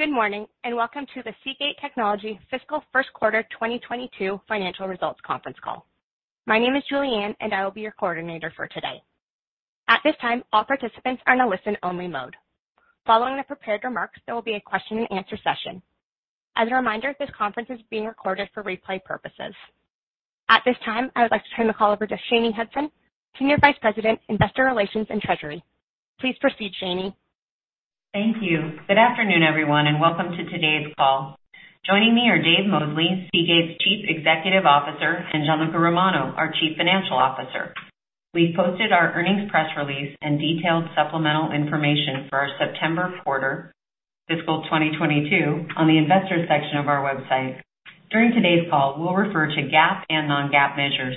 Good morning, welcome to the Seagate Technology fiscal first quarter 2022 financial results conference call. My name is Julianne, and I will be your coordinator for today. At this time, all participants are in a listen-only mode. Following the prepared remarks, there will be a question and answer session. As a reminder, this conference is being recorded for replay purposes. At this time, I would like to turn the call over to Shanye Hudson, Senior Vice President, Investor Relations and Treasury. Please proceed, Shanye. Thank you. Good afternoon, everyone, and welcome to today's call. Joining me are Dave Mosley, Seagate's Chief Executive Officer, and Gianluca Romano, our Chief Financial Officer. We've posted our earnings press release and detailed supplemental information for our September quarter fiscal 2022 on the investors section of our website. During today's call, we'll refer to GAAP and non-GAAP measures.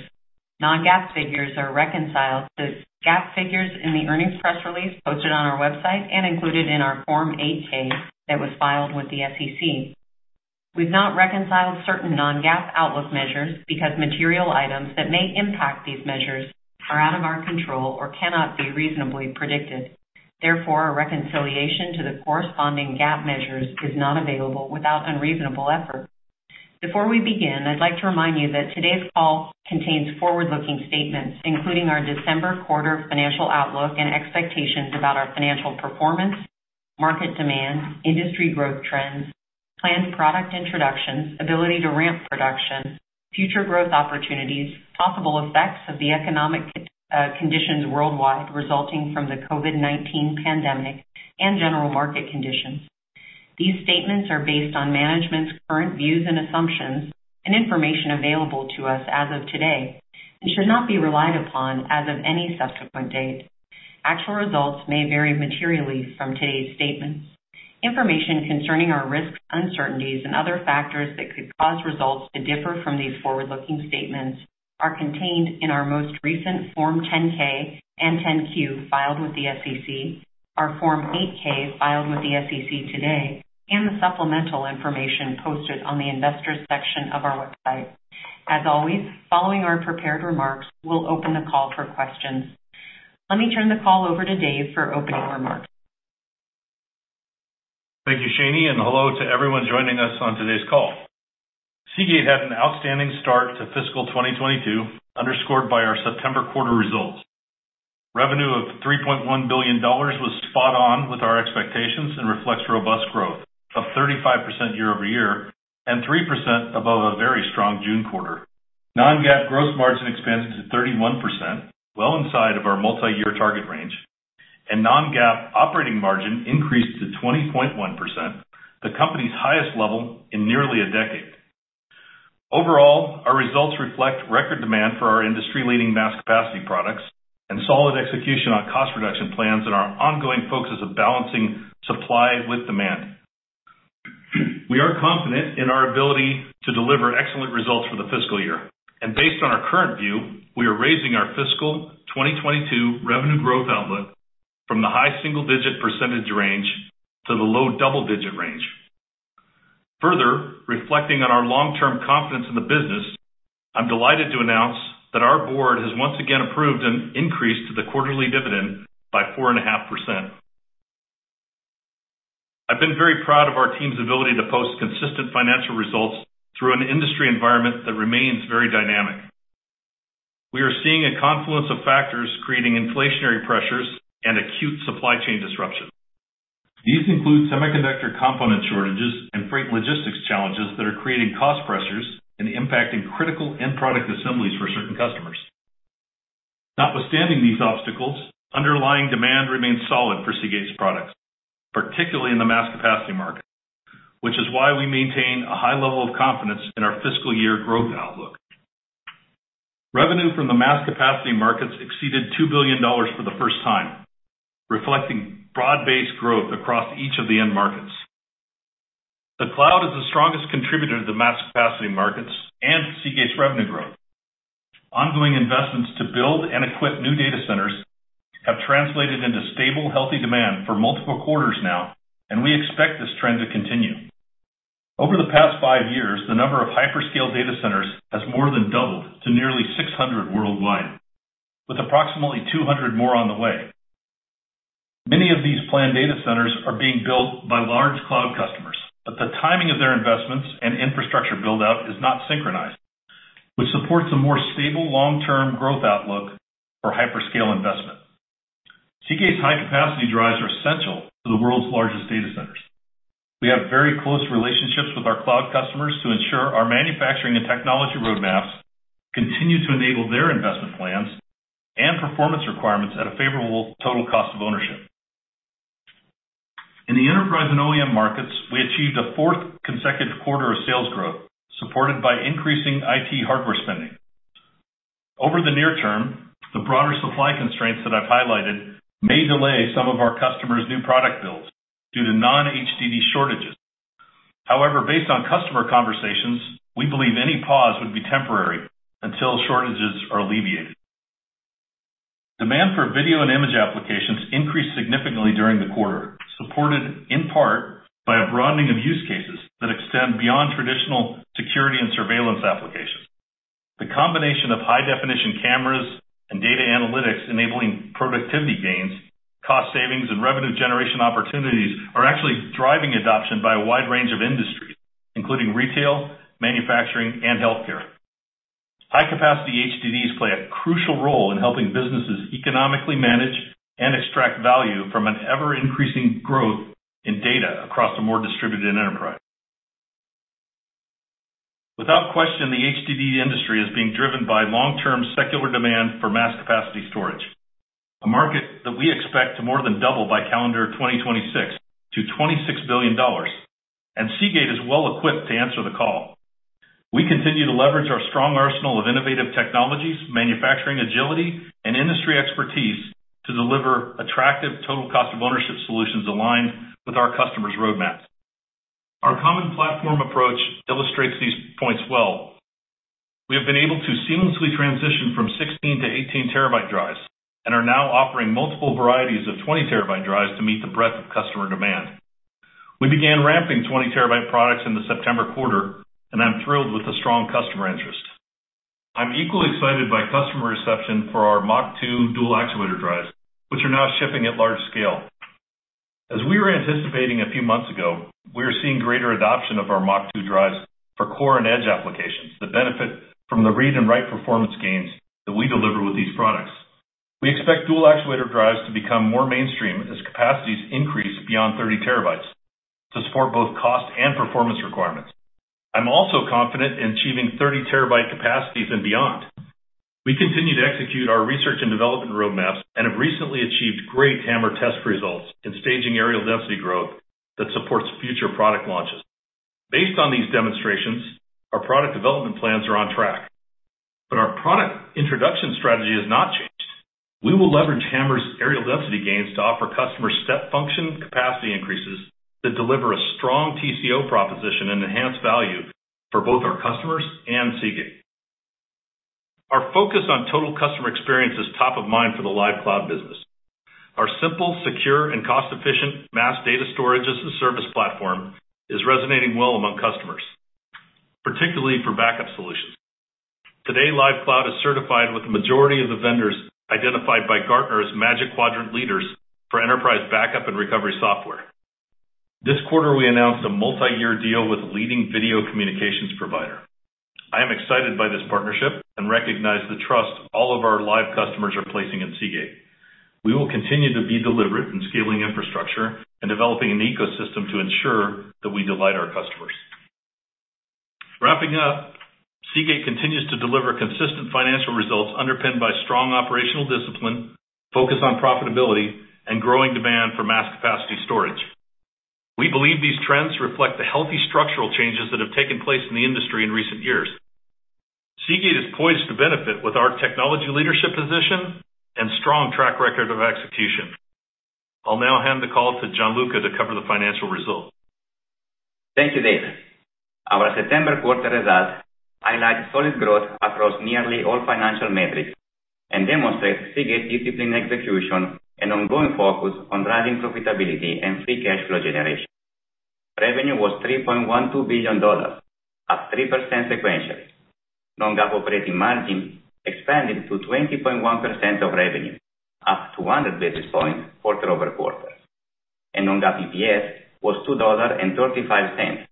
Non-GAAP figures are reconciled to GAAP figures in the earnings press release posted on our website and included in our Form 8-K that was filed with the SEC. We've not reconciled certain non-GAAP outlook measures because material items that may impact these measures are out of our control or cannot be reasonably predicted. Therefore, a reconciliation to the corresponding GAAP measures is not available without unreasonable effort. Before we begin, I'd like to remind you that today's call contains forward-looking statements, including our December quarter financial outlook and expectations about our financial performance, market demand, industry growth trends, planned product introductions, ability to ramp production, future growth opportunities, possible effects of the economic conditions worldwide resulting from the COVID-19 pandemic, and general market conditions. These statements are based on management's current views and assumptions and information available to us as of today and should not be relied upon as of any subsequent date. Actual results may vary materially from today's statements. Information concerning our risks, uncertainties, and other factors that could cause results to differ from these forward-looking statements are contained in our most recent Form 10-K and 10-Q filed with the SEC, our Form 8-K filed with the SEC today, and the supplemental information posted on the investors section of our website. As always, following our prepared remarks, we'll open the call for questions. Let me turn the call over to Dave for opening remarks. Thank you, Shanye, Hello to everyone joining us on today's call. Seagate had an outstanding start to fiscal 2022, underscored by our September quarter results. Revenue of $3.1 billion was spot on with our expectations and reflects robust growth of 35% year-over-year and 3% above a very strong June quarter. Non-GAAP gross margin expanded to 31%, well inside of our multi-year target range, and non-GAAP operating margin increased to 20.1%, the company's highest level in nearly a decade. Overall, our results reflect record demand for our industry-leading mass capacity products and solid execution on cost reduction plans and our ongoing focus of balancing supply with demand. We are confident in our ability to deliver excellent results for the fiscal year. Based on our current view, we are raising our fiscal 2022 revenue growth outlook from the high single-digit percentage range to the low double-digit range. Further, reflecting on our long-term confidence in the business, I'm delighted to announce that our board has once again approved an increase to the quarterly dividend by 4.5%. I've been very proud of our team's ability to post consistent financial results through an industry environment that remains very dynamic. We are seeing a confluence of factors creating inflationary pressures and acute supply chain disruption. These include semiconductor component shortages and freight logistics challenges that are creating cost pressures and impacting critical end product assemblies for certain customers. Notwithstanding these obstacles, underlying demand remains solid for Seagate's products, particularly in the mass capacity market, which is why we maintain a high level of confidence in our fiscal year growth outlook. Revenue from the mass capacity markets exceeded $2 billion for the first time, reflecting broad-based growth across each of the end markets. The cloud is the strongest contributor to the mass capacity markets and Seagate's revenue growth. Ongoing investments to build and equip new data centers have translated into stable, healthy demand for multiple quarters now, and we expect this trend to continue. Over the past five years, the number of hyperscale data centers has more than doubled to nearly 600 worldwide, with approximately 200 more on the way. Many of these planned data centers are being built by large cloud customers, but the timing of their investments and infrastructure build-out is not synchronized, which supports a more stable long-term growth outlook for hyperscale investment. Seagate's high-capacity drives are essential to the world's largest data centers. We have very close relationships with our cloud customers to ensure our manufacturing and technology roadmaps continue to enable their investment plans and performance requirements at a favorable total cost of ownership. In the enterprise and OEM markets, we achieved a fourth consecutive quarter of sales growth, supported by increasing IT hardware spending. Over the near term, the broader supply constraints that I've highlighted may delay some of our customers' new product builds due to non-HDD shortages. However, based on customer conversations, we believe any pause would be temporary until shortages are alleviated. Demand for video and image applications increased significantly during the quarter, supported in part by a broadening of use cases that extend beyond traditional security and surveillance applications. The combination of high-definition cameras and data analytics enabling productivity gains, cost savings, and revenue generation opportunities are actually driving adoption by a wide range of industries, including retail, manufacturing, and healthcare. High-capacity HDDs play a crucial role in helping businesses economically manage and extract value from an ever-increasing growth in data across a more distributed enterprise. Without question, the HDD industry is being driven by long-term secular demand for mass capacity storage, a market that we expect to more than double by calendar 2026 to $26 billion. Seagate is well-equipped to answer the call. We continue to leverage our strong arsenal of innovative technologies, manufacturing agility, and industry expertise to deliver attractive total cost of ownership solutions aligned with our customers' roadmaps. Our common platform approach illustrates these points well. We have been able to seamlessly transition from 16-18 TB drives and are now offering multiple varieties of 20 TB drives to meet the breadth of customer demand. We began ramping 20 TB products in the September quarter. I'm thrilled with the strong customer interest. I'm equally excited by customer reception for our MACH.2 dual actuator drives, which are now shipping at large scale. As we were anticipating a few months ago, we are seeing greater adoption of our MACH.2 drives for core and edge applications that benefit from the read and write performance gains that we deliver with these products. We expect dual actuator drives to become more mainstream as capacities increase beyond 30 TB to support both cost and performance requirements. I'm also confident in achieving 30 TB capacities and beyond. We continue to execute our research and development roadmaps and have recently achieved great HAMR test results in staging areal density growth that supports future product launches. Based on these demonstrations, our product development plans are on track. Our product introduction strategy has not changed. We will leverage HAMR's areal density gains to offer customers step function capacity increases that deliver a strong TCO proposition and enhance value for both our customers and Seagate. Our focus on total customer experience is top of mind for the Lyve Cloud business. Our simple, secure, and cost-efficient mass data storage as a service platform is resonating well among customers, particularly for backup solutions. Today, Lyve Cloud is certified with the majority of the vendors identified by Gartner as Magic Quadrant leaders for enterprise backup and recovery software. This quarter, we announced a multi-year deal with a leading video communications provider. I am excited by this partnership and recognize the trust all of our Lyve customers are placing in Seagate. We will continue to be deliberate in scaling infrastructure and developing an ecosystem to ensure that we delight our customers. Wrapping up, Seagate continues to deliver consistent financial results underpinned by strong operational discipline, focus on profitability, and growing demand for mass capacity storage. We believe these trends reflect the healthy structural changes that have taken place in the industry in recent years. Seagate is poised to benefit with our technology leadership position and strong track record of execution. I'll now hand the call to Gianluca to cover the financial results. Thank you, Dave. Our September quarter results highlight solid growth across nearly all financial metrics and demonstrate Seagate's disciplined execution and ongoing focus on driving profitability and free cash flow generation. Revenue was $3.12 billion, up 3% sequentially. Non-GAAP operating margin expanded to 20.1% of revenue, up 200 basis points quarter-over-quarter. Non-GAAP EPS was $2.35,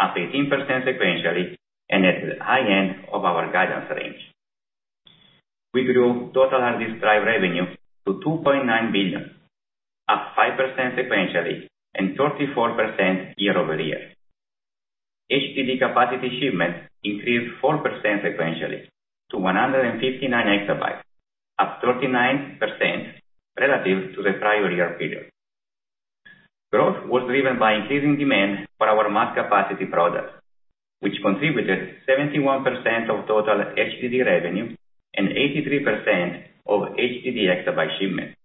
up 18% sequentially and at the high end of our guidance range. We grew total hard disk drive revenue to $2.9 billion, up 5% sequentially and 34% year-over-year. HDD capacity shipments increased 4% sequentially to 159 EB, up 39% relative to the prior year period. Growth was driven by increasing demand for our mass capacity products, which contributed 71% of total HDD revenue and 83% of HDD exabyte shipments.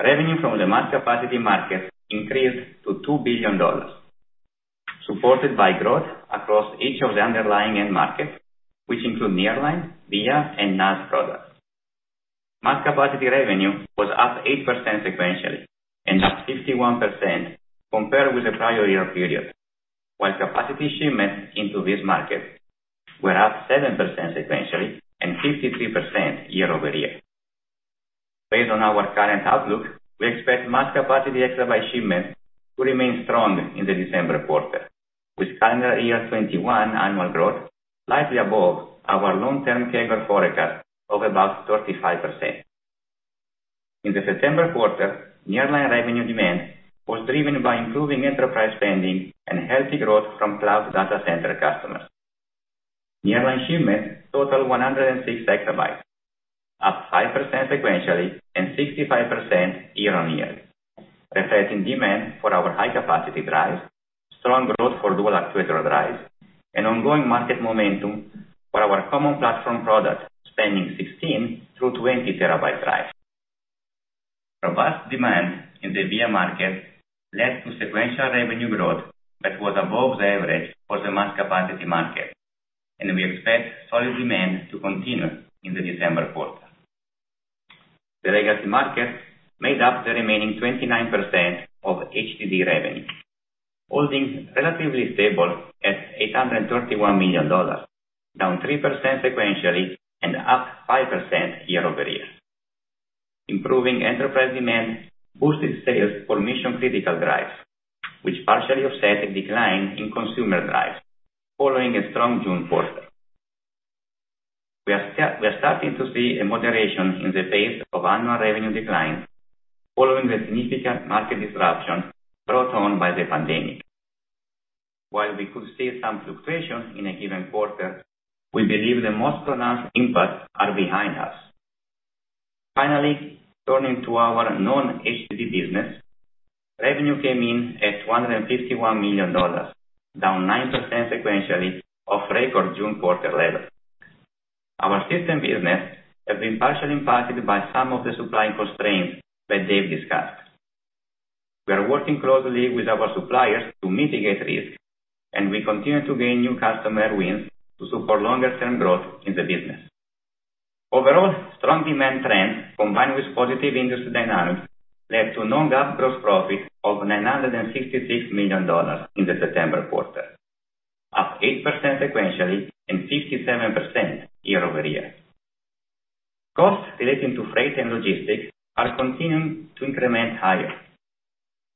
Revenue from the mass capacity market increased to $2 billion, supported by growth across each of the underlying end markets, which include nearline, VIA, and NAS products. Mass capacity revenue was up 8% sequentially and up 51% compared with the prior year period, while capacity shipments into this market were up 7% sequentially and 53% year-over-year. Based on our current outlook, we expect mass capacity exabyte shipments to remain strong in the December quarter, with calendar year 2021 annual growth likely above our long-term CAGR forecast of about 35%. In the September quarter, nearline revenue demand was driven by improving enterprise spending and healthy growth from cloud data center customers. Nearline shipments totaled 106 EB, up 5% sequentially and 65% year-on-year, reflecting demand for our high-capacity drives, strong growth for dual actuator drives, and ongoing market momentum for our common platform products spanning 16-20 TB drives. Robust demand in the VIA market led to sequential revenue growth that was above the average for the mass capacity market, and we expect solid demand to continue in the December quarter. The legacy market made up the remaining 29% of HDD revenue, holding relatively stable at $831 million, down 3% sequentially and up 5% year-over-year. Improving enterprise demand boosted sales for mission-critical drives, which partially offset a decline in consumer drives following a strong June quarter. We are starting to see a moderation in the pace of annual revenue decline following the significant market disruption brought on by the pandemic. While we could see some fluctuations in a given quarter, we believe the most pronounced impacts are behind us. Finally, turning to our non-HDD business, revenue came in at $151 million, down 9% sequentially off record June quarter levels. Our system business has been partially impacted by some of the supply constraints that Dave discussed. We are working closely with our suppliers to mitigate risk, we continue to gain new customer wins to support longer-term growth in the business. Overall, strong demand trends combined with positive industry dynamics led to non-GAAP gross profit of $966 million in the September quarter, up 8% sequentially and 57% year-over-year. Costs relating to freight and logistics are continuing to increment higher.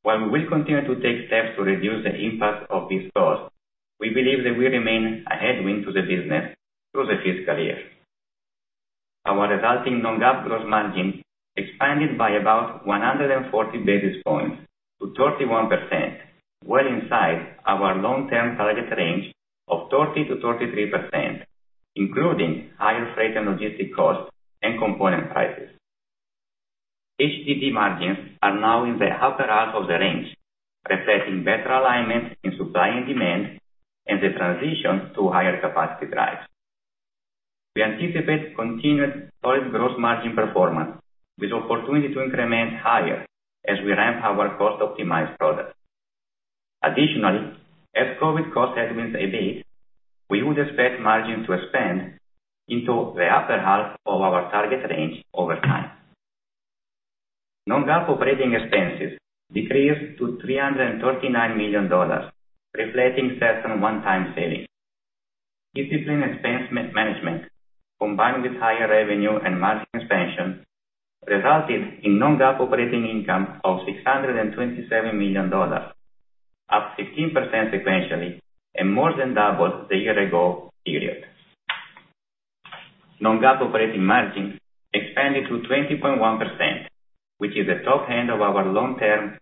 While we will continue to take steps to reduce the impact of these costs, we believe they will remain a headwind to the business through the fiscal year. Our resulting Non-GAAP gross margin expanded by about 140 basis points to 31%, well inside our long-term target range of 30%-33%, including higher freight and logistic costs and component prices. HDD margins are now in the upper half of the range, reflecting better alignment in supply and demand and the transition to higher capacity drives. We anticipate continued solid gross margin performance with opportunity to increment higher as we ramp our cost-optimized products. Additionally, as COVID cost headwinds abate, we would expect margins to expand into the upper half of our target range over time. Non-GAAP operating expenses decreased to $339 million, reflecting certain one-time savings. Disciplined expense management, combined with higher revenue and margin expansion, resulted in Non-GAAP operating income of $627 million, up 15% sequentially and more than double the year-ago period. Non-GAAP operating margin expanded to 20.1%, which is the top end of our long-term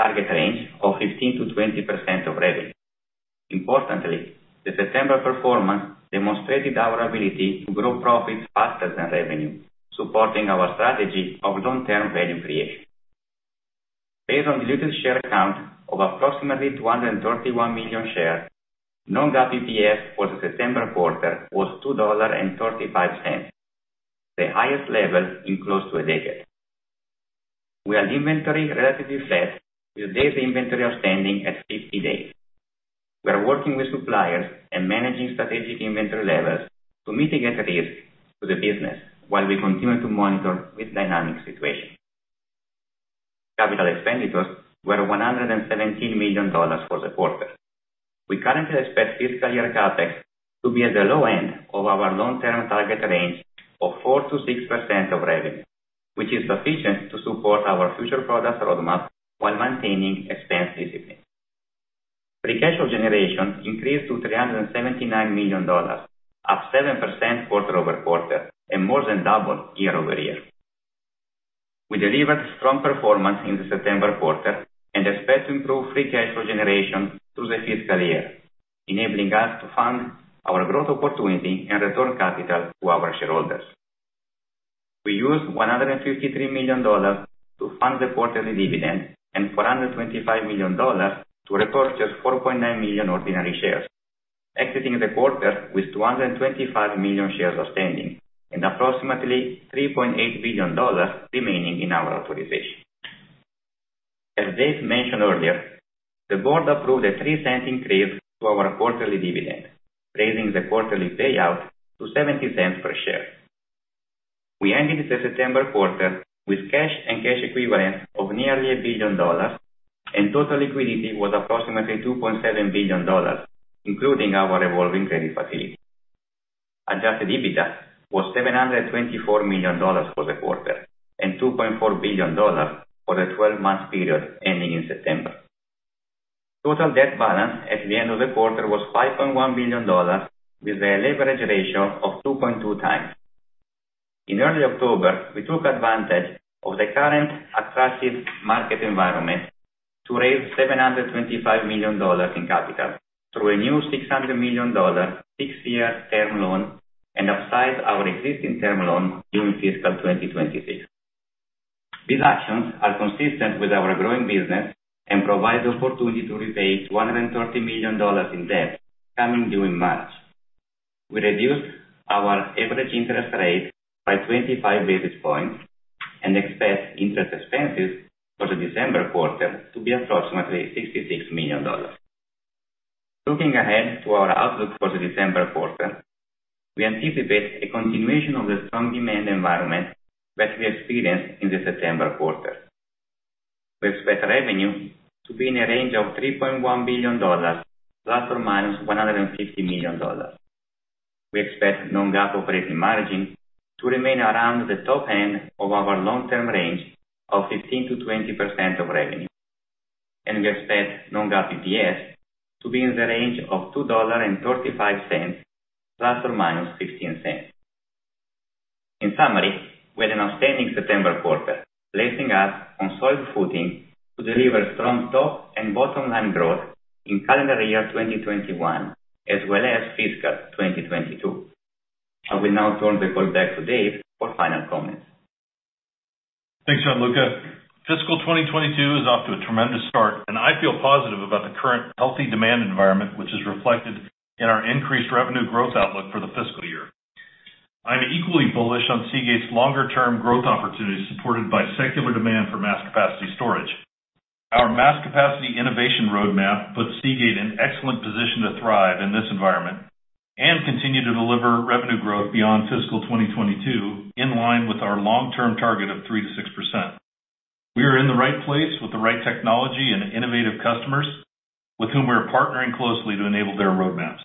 target range of 15%-20% of revenue. Importantly, the September performance demonstrated our ability to grow profits faster than revenue, supporting our strategy of long-term value creation. Based on diluted share count of approximately 231 million shares, non-GAAP EPS for the September quarter was $2.35, the highest level in close to a decade. We had inventory relatively flat with days inventory outstanding at 50 days. We are working with suppliers and managing strategic inventory levels to mitigate risk to the business while we continue to monitor this dynamic situation. Capital expenditures were $117 million for the quarter. We currently expect fiscal year CapEx to be at the low end of our long-term target range of 4%-6% of revenue, which is sufficient to support our future products roadmap while maintaining expense discipline. Free cash flow generation increased to $379 million, up 7% quarter-over-quarter and more than double year-over-year. We delivered strong performance in the September quarter and expect to improve free cash flow generation through the fiscal year, enabling us to fund our growth opportunity and return capital to our shareholders. We used $153 million to fund the quarterly dividend and $425 million to repurchase 4.9 million ordinary shares, exiting the quarter with 225 million shares outstanding and approximately $3.8 billion remaining in our authorization. As Dave mentioned earlier, the board approved a $0.03 increase to our quarterly dividend, raising the quarterly payout to $0.70 per share. We ended the September quarter with cash and cash equivalents of nearly $1 billion, and total liquidity was approximately $2.7 billion, including our revolving credit facility. Adjusted EBITDA was $724 million for the quarter and $2.4 billion for the 12-month period ending in September. Total debt balance at the end of the quarter was $5.1 billion, with a leverage ratio of 2.2x. In early October, we took advantage of the current attractive market environment to raise $725 million in capital through a new $600 million six-year term loan and upsize our existing term loan during fiscal 2026. These actions are consistent with our growing business and provide the opportunity to repay $130 million in debt coming during March. We reduced our average interest rate by 25 basis points and expect interest expenses for the December quarter to be approximately $66 million. Looking ahead to our outlook for the December quarter, we anticipate a continuation of the strong demand environment that we experienced in the September quarter. We expect revenue to be in a range of $3.1 billion ±$150 million. We expect non-GAAP operating margin to remain around the top end of our long-term range of 15%-20% of revenue. We expect non-GAAP EPS to be in the range of $2.35 ±$0.15. In summary, we had an outstanding September quarter, placing us on solid footing to deliver strong top and bottom line growth in calendar year 2021, as well as fiscal 2022. I will now turn the call back to Dave for final comments. Thanks, Gianluca. Fiscal 2022 is off to a tremendous start, and I feel positive about the current healthy demand environment, which is reflected in our increased revenue growth outlook for the fiscal year. I'm equally bullish on Seagate's longer-term growth opportunities, supported by secular demand for mass capacity storage. Our mass capacity innovation roadmap puts Seagate in excellent position to thrive in this environment and continue to deliver revenue growth beyond fiscal 2022, in line with our long-term target of 3%-6%. We are in the right place with the right technology and innovative customers with whom we are partnering closely to enable their roadmaps.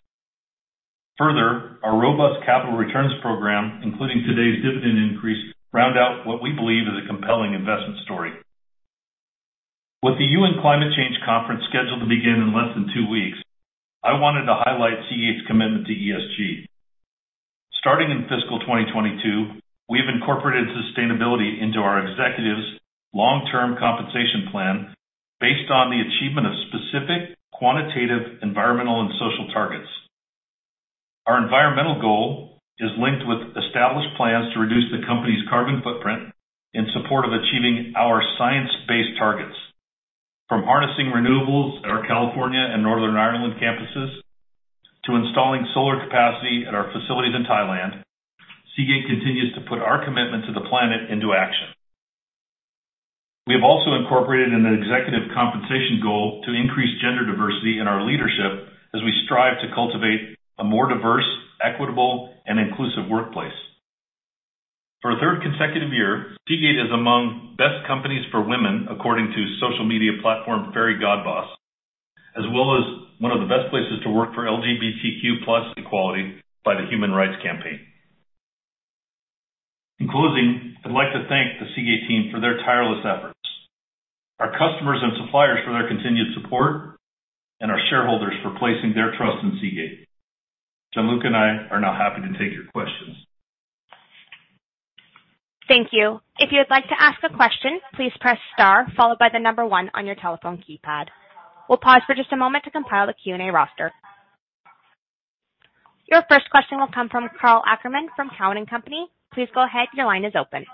Our robust capital returns program, including today's dividend increase, round out what we believe is a compelling investment story. With the UN Climate Change Conference scheduled to begin in less than two weeks, I wanted to highlight Seagate's commitment to ESG. Starting in fiscal 2022, we have incorporated sustainability into our executives' long-term compensation plan based on the achievement of specific quantitative, environmental, and social targets. Our environmental goal is linked with established plans to reduce the company's carbon footprint in support of achieving our science-based targets. From harnessing renewables at our California and Northern Ireland campuses to installing solar capacity at our facilities in Thailand, Seagate continues to put our commitment to the planet into action. We have also incorporated an executive compensation goal to increase gender diversity in our leadership as we strive to cultivate a more diverse, equitable, and inclusive workplace. For a third consecutive year, Seagate is among best companies for women, according to social media platform, Fairygodboss, as well as one of the best places to work for LGBTQ equality by the Human Rights Campaign. In closing, I'd like to thank the Seagate team for their tireless efforts, our customers and suppliers for their continued support, and our shareholders for placing their trust in Seagate. Gianluca and I are now happy to take your questions. Thank you. If you'd like to ask a question, please press star followed by the number one on your telephone keypad. We'll pause for just a moment to compile the Q&A roster. Your first question will come from Karl Ackerman from Cowen and Company. Please go ahead. Your line is open.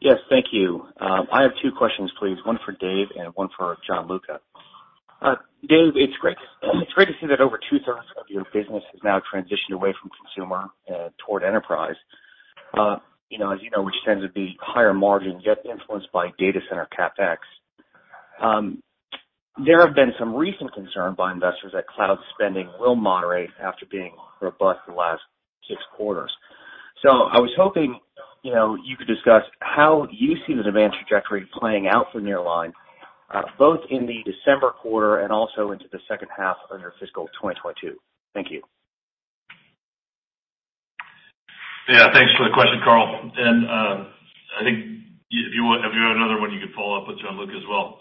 Yes. Thank you. I have two questions, please. One for Dave and one for Gianluca. Dave, it's great to see that over 2/3 of your business has now transitioned away from consumer toward enterprise. As you know, which tends to be higher margin, yet influenced by data center CapEx. There have been some recent concern by investors that cloud spending will moderate after being robust for the last six quarters. I was hoping you could discuss how you see the demand trajectory playing out for Nearline, both in the December quarter and also into the second half of your fiscal 2022. Thank you. Yeah. Thanks for the question, Karl. I think if you have another one you could follow up with Gianluca as well.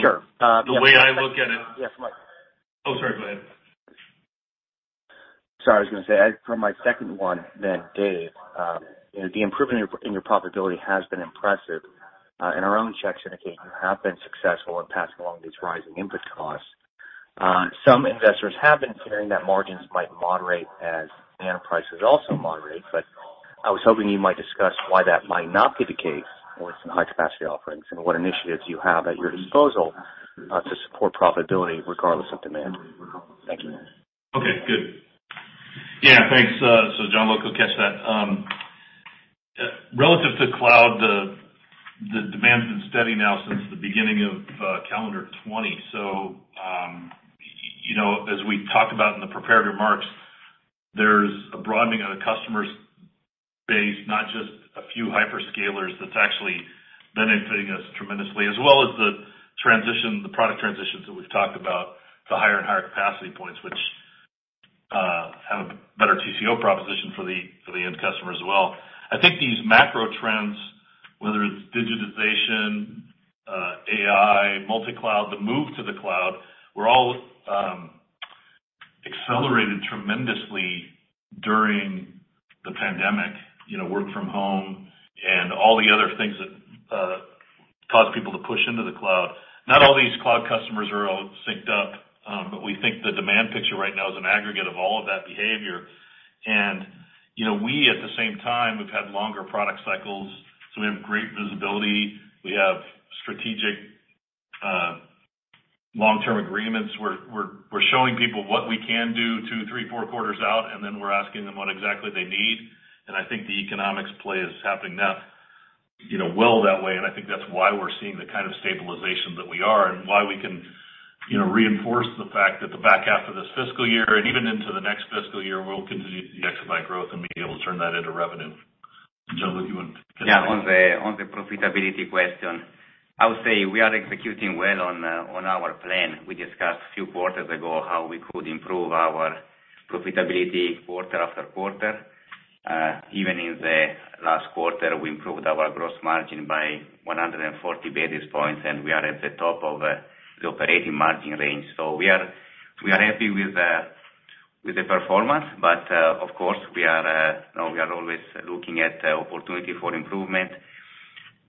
Sure. The way I look at it- Yes. Go ahead. Oh, sorry. Go ahead. Sorry, I was going to say for my second one then, Dave, the improvement in your profitability has been impressive. Our own checks indicate you have been successful in passing along these rising input costs. Some investors have been fearing that margins might moderate as data prices also moderate, but I was hoping you might discuss why that might not be the case with some high-capacity offerings and what initiatives you have at your disposal to support profitability regardless of demand. Thank you. Okay, good. Yeah. Thanks. Gianluca will catch that. Relative to cloud, the demand's been steady now since the beginning of calendar 2020. As we talked about in the prepared remarks, there's a broadening of the customer base, not just a few hyperscalers that's actually benefiting us tremendously, as well as the product transitions that we've talked about, the higher and higher capacity points, which have a better TCO proposition for the end customer as well. I think these macro trends, whether it's digitization, AI, multi-cloud, the move to the cloud, were all accelerated tremendously during the pandemic. Work from home and all the other things that caused people to push into the cloud. Not all these cloud customers are all synced up, but we think the demand picture right now is an aggregate of all of that behavior. We, at the same time, have had longer product cycles, so we have great visibility. We have strategic long-term agreements. We're showing people what we can do two, three, four quarters out, and then we're asking them what exactly they need, and I think the economics play is happening now that way. I think that's why we're seeing the kind of stabilization that we are, and why we can reinforce the fact that the back half of this fiscal year and even into the next fiscal year, we'll continue the exabyte growth and be able to turn that into revenue. Gianluca, you want to take that? Yeah, on the profitability question, I would say we are executing well on our plan. We discussed a few quarters ago how we could improve our profitability quarter after quarter. Even in the last quarter, we improved our gross margin by 140 basis points, and we are at the top of the operating margin range. We are happy with the performance. Of course, we are always looking at opportunity for improvement.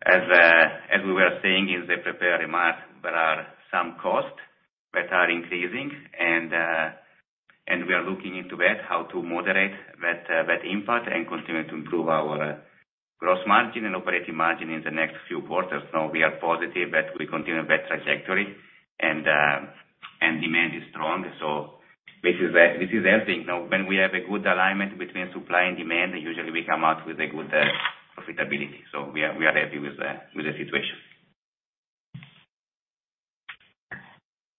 As we were saying in the prepared remarks, there are some costs that are increasing, and we are looking into that, how to moderate that impact and continue to improve our gross margin and operating margin in the next few quarters. We are positive that we continue that trajectory, and demand is strong. This is everything. When we have a good alignment between supply and demand, usually we come out with a good profitability. We are happy with the situation.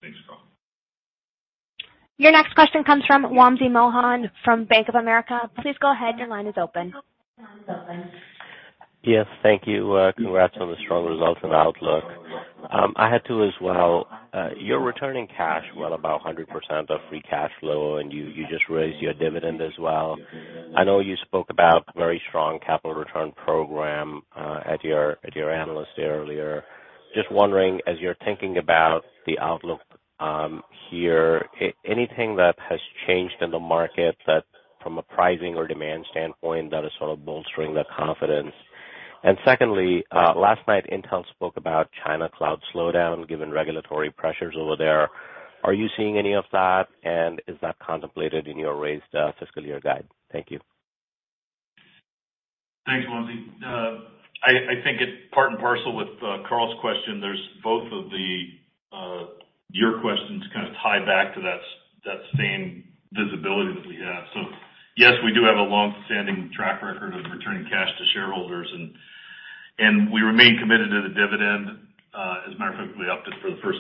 Thanks, Karl. Your next question comes from Wamsi Mohan from Bank of America. Please go ahead. Your line is open. Yes. Thank you. Congrats on the strong results and outlook. I had to as well. You're returning cash, well above 100% of free cash flow, and you just raised your dividend as well. I know you spoke about very strong capital return program at your Analyst Day earlier. Just wondering, as you're thinking about the outlook here, anything that has changed in the market that from a pricing or demand standpoint that is sort of bolstering the confidence? Secondly, last night Intel spoke about China cloud slowdown given regulatory pressures over there. Are you seeing any of that, and is that contemplated in your raised fiscal year guide? Thank you. Thanks, Wamsi. I think it's part and parcel with Karl's question. There's both of your questions kind of tie back to that same visibility that we have. Yes, we do have a longstanding track record of returning cash to shareholders, and we remain committed to the dividend. As a matter of fact, we upped it for the third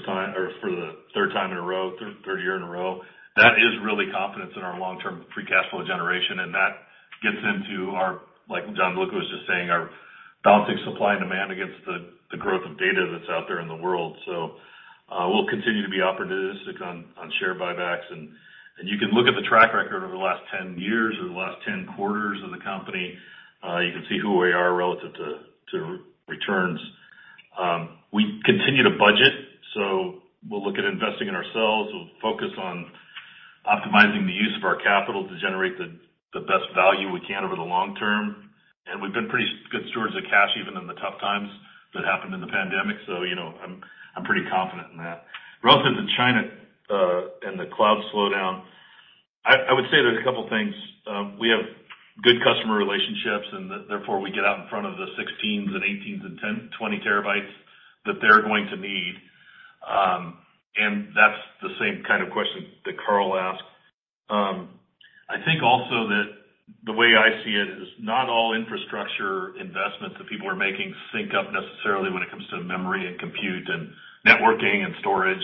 time in a row, third year in a row. That is really confidence in our long-term free cash flow generation, and that gets into our, like Gianluca was just saying, our balancing supply and demand against the growth of data that's out there in the world. We'll continue to be opportunistic on share buybacks, and you can look at the track record over the last 10 years or the last 10 quarters of the company. You can see who we are relative to returns. We continue to budget. We'll look at investing in ourselves. We'll focus on optimizing the use of our capital to generate the best value we can over the long term. We've been pretty good stewards of cash even in the tough times that happened in the pandemic. I'm pretty confident in that. Relative to China and the cloud slowdown, I would say there's a couple things. We have good customer relationships, and therefore we get out in front of the 16s and 18s and 20 TB that they're going to need. That's the same kind of question that Karl asked. I think also that the way I see it is not all infrastructure investments that people are making sync up necessarily when it comes to memory and compute and networking and storage.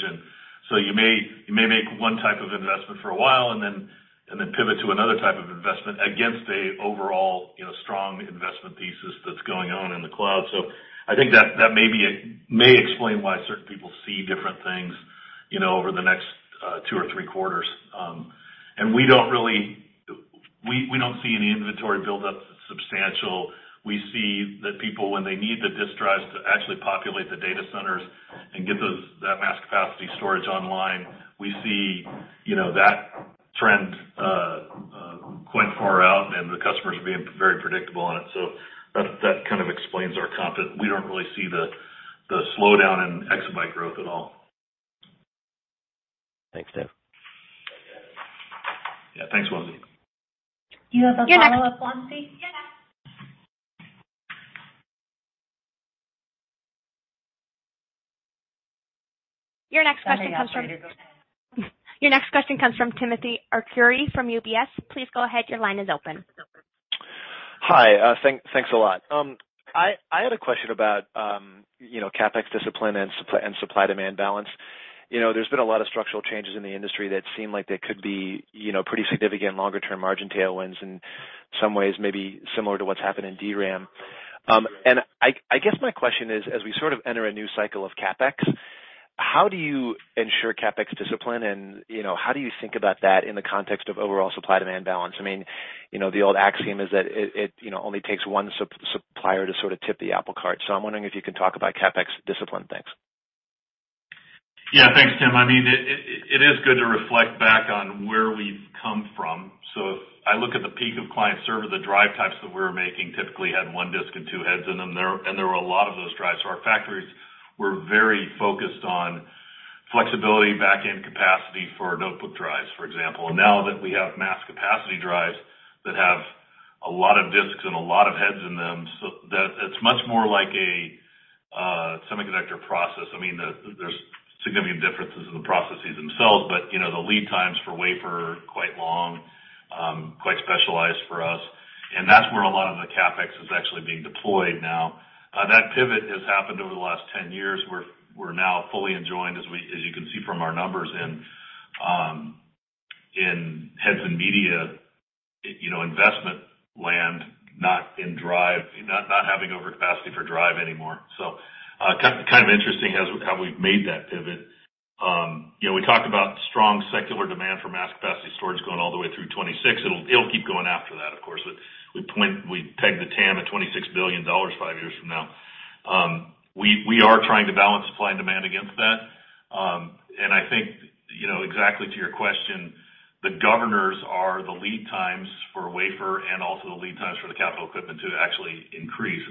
You may make one type of investment for a while and then pivot to another type of investment against a overall strong investment thesis that's going on in the cloud. I think that may explain why certain people see different things over the next two or three quarters. We don't see any inventory buildup that's substantial. We see that people, when they need the disk drives to actually populate the data centers and get that mass capacity storage online, we see that trend quite far out and the customers are being very predictable on it. That kind of explains our confidence. We don't really see the slowdown in exabyte growth at all. Thanks, Dave. Yeah. Thanks, Wamsi. You have a follow-up, Wamsi? Your next question comes from Timothy Arcuri from UBS. Hi. Thanks a lot. I had a question about CapEx discipline and supply-demand balance. There's been a lot of structural changes in the industry that seem like they could be pretty significant longer-term margin tailwinds, in some ways maybe similar to what's happened in DRAM. I guess my question is, as we sort of enter a new cycle of CapEx, how do you ensure CapEx discipline, and how do you think about that in the context of overall supply-demand balance? The old axiom is that it only takes one supplier to sort of tip the apple cart. I'm wondering if you can talk about CapEx discipline. Thanks. Yeah. Thanks, Tim. It is good to reflect back on where we've come from. If I look at the peak of client server, the drive types that we were making typically had one disk and two heads in them. There were a lot of those drives. Our factories were very focused on flexibility back-end capacity for notebook drives, for example. Now that we have mass capacity drives that have a lot of disks and a lot of heads in them, it's much more like a semiconductor process. There's significant differences in the processes themselves, but the lead times for wafer are quite long, quite specialized for us. That's where a lot of the CapEx is actually being deployed now. That pivot has happened over the last 10 years, where we're now fully enjoined, as you can see from our numbers in heads and media investment land, not in drive, not having overcapacity for drive anymore. Kind of interesting how we've made that pivot. We talked about strong secular demand for mass capacity storage going all the way through 2026. It'll keep going after that, of course. We peg the TAM at $26 billion five years from now. We are trying to balance supply and demand against that. I think exactly to your question, the governors are the lead times for wafer and also the lead times for the capital equipment to actually increase.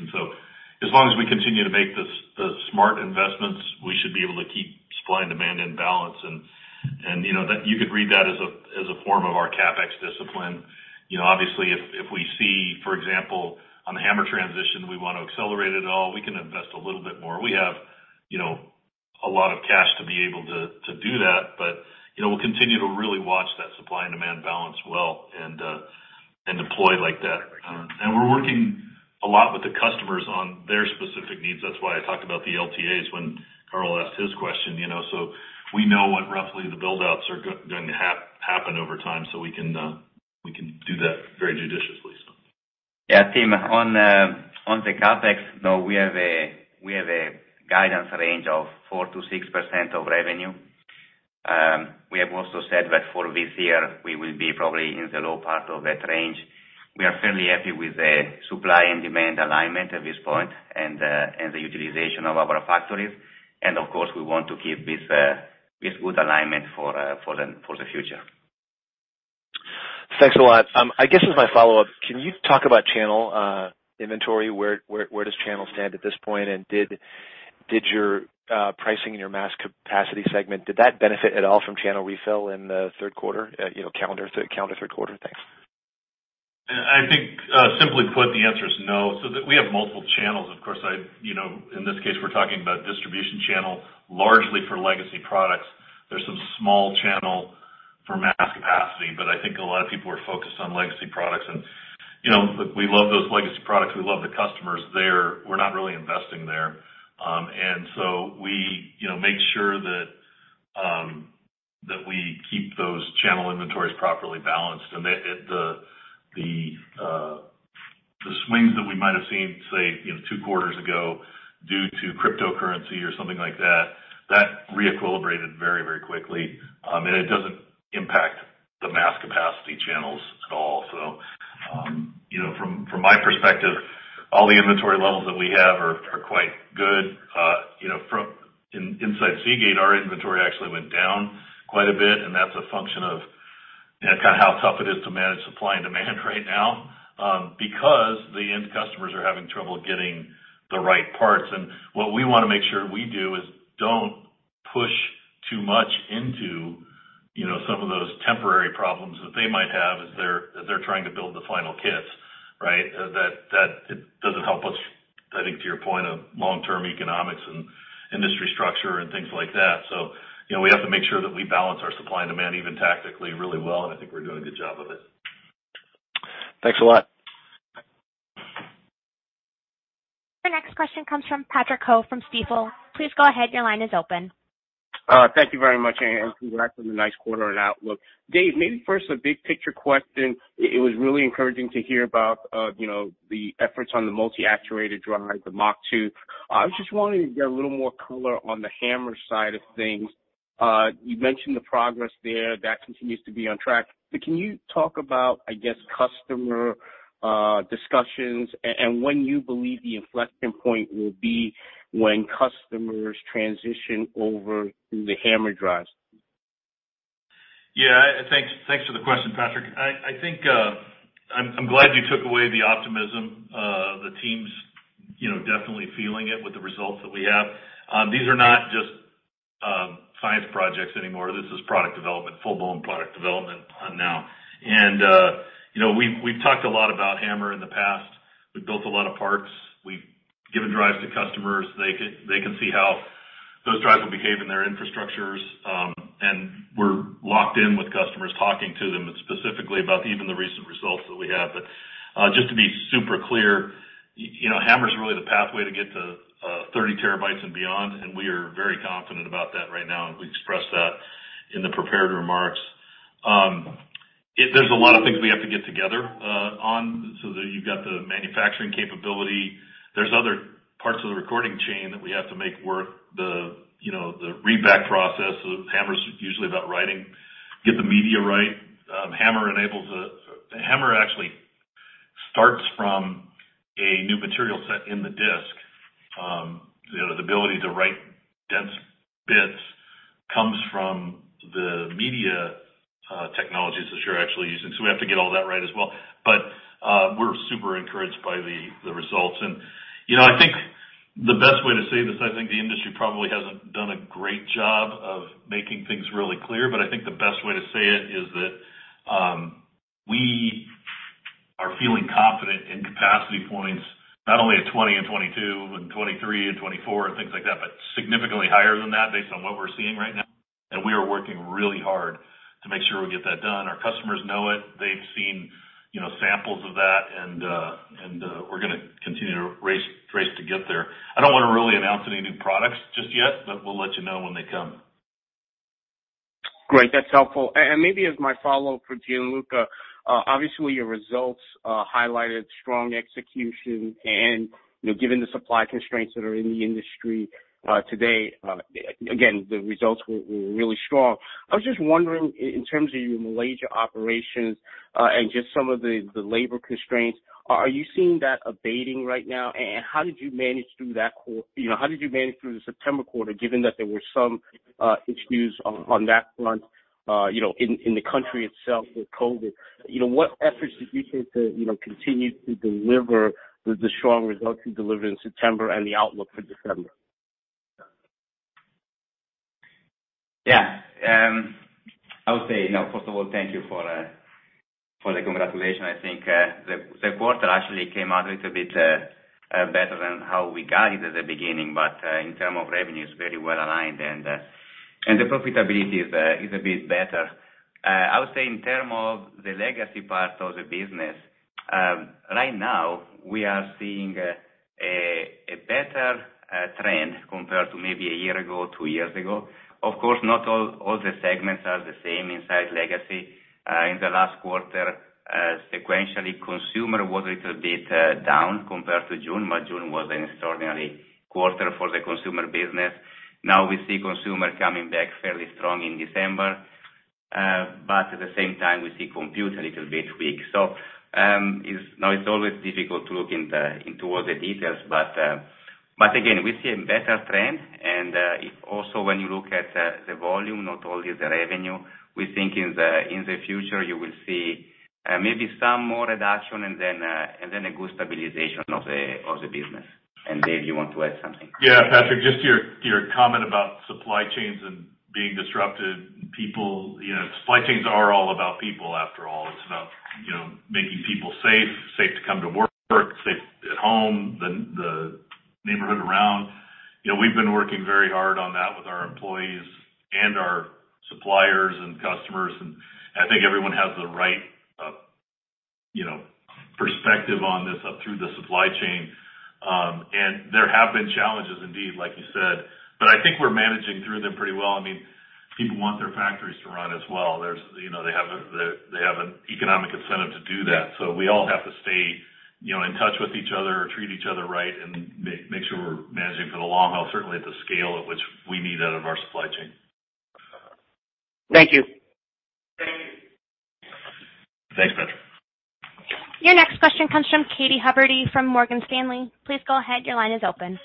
As long as we continue to make the smart investments, we should be able to keep supply and demand in balance, and you could read that as a form of our CapEx discipline. Obviously, if we see, for example, on the HAMR transition, we want to accelerate it at all, we can invest a little bit more. We have a lot of cash to be able to do that. We'll continue to really watch that supply and demand balance well and deploy like that. We're working a lot with the customers on their specific needs. That's why I talked about the LTAs when Karl asked his question. We know when roughly the build-outs are going to happen over time, so we can do that very judiciously. Yeah, Tim, on the CapEx, we have a guidance range of 4%-6% of revenue. We have also said that for this year we will be probably in the low part of that range. We are fairly happy with the supply and demand alignment at this point and the utilization of our factories, and of course, we want to keep this good alignment for the future. Thanks a lot. I guess as my follow-up, can you talk about channel inventory? Where does channel stand at this point? Did your pricing in your mass capacity segment, did that benefit at all from channel refill in the third quarter, calendar third quarter? Thanks. I think simply put, the answer is no. We have multiple channels. Of course, in this case, we're talking about distribution channel largely for legacy products. There's some small channel for mass capacity, but I think a lot of people are focused on legacy products. We love those legacy products. We love the customers there. We're not really investing there. We make sure that we keep those channel inventories properly balanced. The swings that we might have seen, say, two quarters ago due to cryptocurrency or something like that re-equilibrated very quickly. It doesn't impact the mass capacity channels at all. From my perspective, all the inventory levels that we have are quite good. Inside Seagate, our inventory actually went down quite a bit, and that's a function of how tough it is to manage supply and demand right now because the end customers are having trouble getting the right parts. What we want to sure we do is don't push too much into some of those temporary problems that they might have as they're trying to build the final kits, right? That it doesn't help us, I think to your point of long-term economics and industry structure and things like that. We have to make sure that we balance our supply and demand even tactically really well, and I think we're doing a good job of it. Thanks a lot. The next question comes from Patrick Ho from Stifel. Please go ahead. Your line is open. Thank you very much. Congrats on the nice quarter and outlook. Dave, maybe first a big picture question. It was really encouraging to hear about the efforts on the multi-actuator drive, the MACH.2. I was just wanting to get a little more color on the HAMR side of things. You mentioned the progress there. That continues to be on track. Can you talk about, I guess, customer discussions and when you believe the inflection point will be when customers transition over to the HAMR drives? Yeah. Thanks for the question, Patrick. I'm glad you took away the optimism. The team's definitely feeling it with the results that we have. These are not just science projects anymore. This is product development, full-blown product development now. We've talked a lot about HAMR in the past. We've built a lot of parts. We've given drives to customers. They can see how those drives will behave in their infrastructures. We're locked in with customers, talking to them specifically about even the recent results that we have. Just to be super clear, HAMR is really the pathway to get to 30 TB and beyond, and we are very confident about that right now, and we expressed that in the prepared remarks. There's a lot of things we have to get together on. That you've got the manufacturing capability. There's other parts of the recording chain that we have to make work. The read back process. HAMR is usually about writing. Get the media right. HAMR actually starts from a new material set in the disk. The ability to write dense bits comes from the media technologies that you're actually using. We have to get all that right as well. We're super encouraged by the results. I think the best way to say this, I think the industry probably hasn't done a great job of making things really clear, but I think the best way to say it is that we are feeling confident in capacity points, not only at 2020 and 2022 and 2023 and 2024 and things like that, but significantly higher than that based on what we're seeing right now. We are working really hard to make sure we get that done. Our customers know it. They've seen samples of that and we're going to continue to race to get there. I don't want to really announce any new products just yet, but we'll let you know when they come. Great. That's helpful. Maybe as my follow-up for Gianluca, obviously your results highlighted strong execution and given the supply constraints that are in the industry today. Again, the results were really strong. I was just wondering in terms of your Malaysia operations and just some of the labor constraints, are you seeing that abating right now? How did you manage through the September quarter, given that there were some issues on that front in the country itself with COVID? What efforts did you take to continue to deliver the strong results you delivered in September and the outlook for December? Yeah. I would say, first of all, thank you for the congratulations. I think the quarter actually came out a little bit better than how we guided at the beginning. In terms of revenues, very well aligned and the profitability is a bit better. I would say in terms of the legacy part of the business, right now we are seeing a better trend compared to maybe a year ago, two years ago. Of course not all the segments are the same inside legacy. In the last quarter, sequentially consumer was a little bit down compared to June, but June was an extraordinary quarter for the consumer business. Now we see consumer coming back fairly strong in December. At the same time, we see compute a little bit weak. Now it's always difficult to look into all the details. Again, we see a better trend, and if also when you look at the volume, not only the revenue, we think in the future you will see maybe some more reduction and then a good stabilization of the business. Dave, you want to add something? Yeah. Patrick, just to your comment about supply chains and being disrupted. Supply chains are all about people after all. It's about making people safe to come to work, safe at home, the neighborhood around. We've been working very hard on that with our employees and our suppliers and customers, I think everyone has the right perspective on this up through the supply chain. There have been challenges indeed, like you said, I think we're managing through them pretty well. People want their factories to run as well. They have an economic incentive to do that. We all have to stay in touch with each other, treat each other right, and make sure we're managing for the long haul, certainly at the scale at which we need out of our supply chain. Thank you. Thanks, Patrick. Your next question comes from Katy Huberty, from Morgan Stanley. Please go ahead. Your line is open.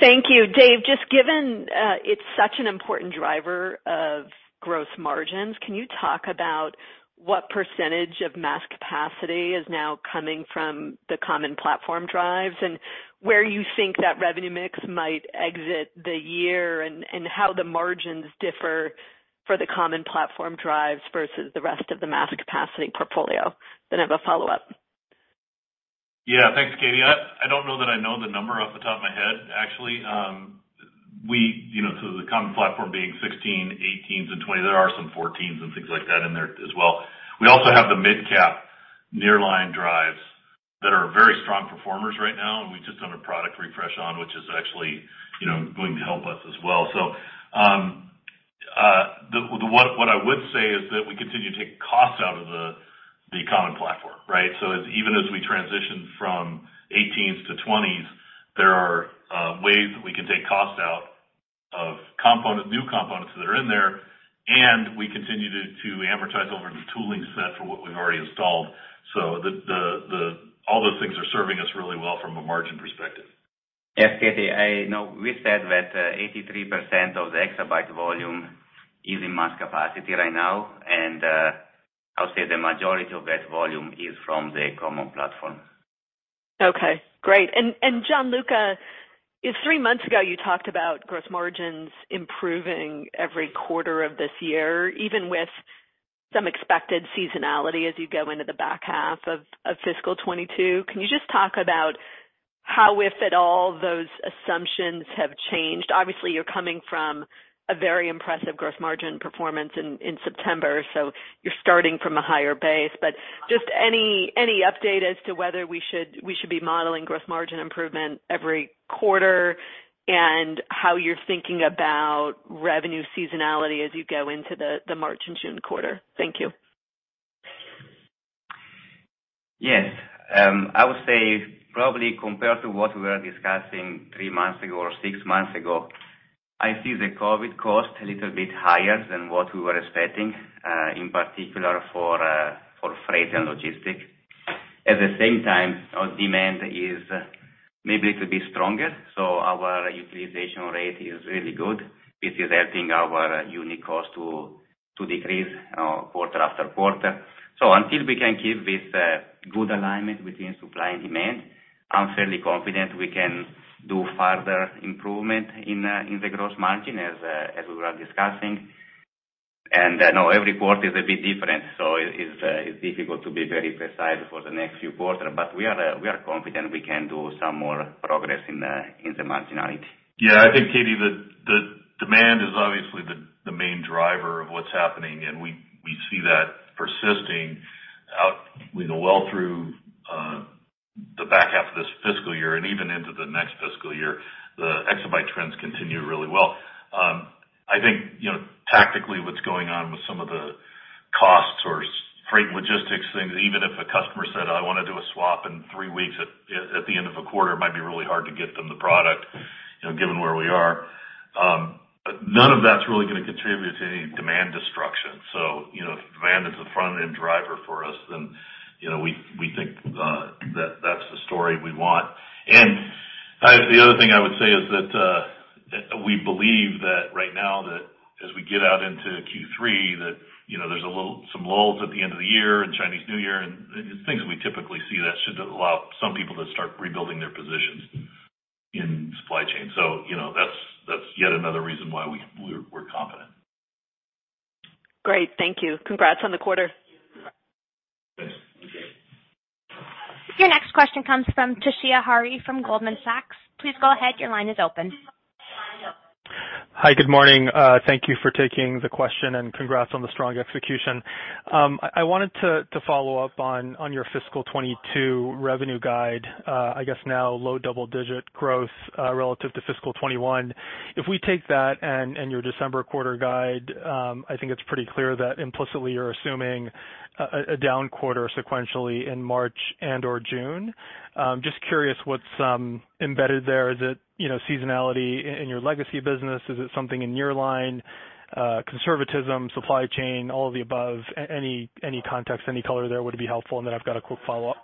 Thank you. Dave, just given it's such an important driver of gross margins, can you talk about what percentage of mass capacity is now coming from the common platform drives, and where you think that revenue mix might exit the year, and how the margins differ for the common platform drives versus the rest of the mass capacity portfolio? I have a follow-up. Yeah. Thanks, Katy. I don't know that I know the number off the top of my head, actually. The common platform being 16, 18s, and 20, there are some 14s and things like that in there as well. We also have the midcap nearline drives that are very strong performers right now, and we've just done a product refresh on, which is actually going to help us as well. What I would say is that we continue to take cost out of the common platform, right? Even as we transition from 18s to 20s, there are ways that we can take cost out of new components that are in there, and we continue to amortize over the tooling set for what we've already installed. All those things are serving us really well from a margin perspective. Yes, Katy, we said that 83% of the exabyte volume is in mass capacity right now. I would say the majority of that volume is from the common platform. Okay. Great. Gianluca, three months ago you talked about gross margins improving every quarter of this year, even with some expected seasonality as you go into the back half of fiscal 2022. Can you just talk about how, if at all, those assumptions have changed? Obviously, you're coming from a very impressive gross margin performance in September, so you're starting from a higher base. Just any update as to whether we should be modeling gross margin improvement every quarter and how you're thinking about revenue seasonality as you go into the March and June quarter? Thank you. Yes. I would say probably compared to what we were discussing three months ago or six months ago, I see the COVID cost a little bit higher than what we were expecting, in particular for freight and logistics. At the same time, our demand is maybe a little bit stronger, so our utilization rate is really good. This is helping our unit cost to decrease quarter after quarter. Until we can keep this good alignment between supply and demand, I'm fairly confident we can do further improvement in the gross margin as we were discussing. I know every quarter is a bit different, so it's difficult to be very precise for the next few quarters. We are confident we can do some more progress in the marginality. Yeah, I think, Katy, the demand is obviously the main driver of what's happening, and we see that persisting out well through the back half of this fiscal year and even into the next fiscal year. The exabyte trends continue really well. I think tactically what's going on with some of the costs or freight logistics things, even if a customer said, "I want to do a swap in three weeks," at the end of a quarter, it might be really hard to get them the product given where we are. None of that's really going to contribute to any demand destruction. If demand is the front-end driver for us, then we think that's the story we want. The other thing I would say is that we believe that right now that as we get out into Q3, that there's some lulls at the end of the year and Chinese New Year and things that we typically see that should allow some people to start rebuilding their positions in supply chain. That's yet another reason why we're confident. Great. Thank you. Congrats on the quarter. Thanks. Your next question comes from Toshiya Hari from Goldman Sachs. Please go ahead. Your line is open. Hi. Good morning. Thank you for taking the question, and congrats on the strong execution. I wanted to follow up on your fiscal 2022 revenue guide, I guess now low double-digit growth relative to fiscal 2021. If we take that and your December quarter guide, I think it's pretty clear that implicitly you're assuming a down quarter sequentially in March and/or June. Just curious what's embedded there. Is it seasonality in your legacy business? Is it something in nearline, conservatism, supply chain, all of the above? Any context, any color there would be helpful. I've got a quick follow-up.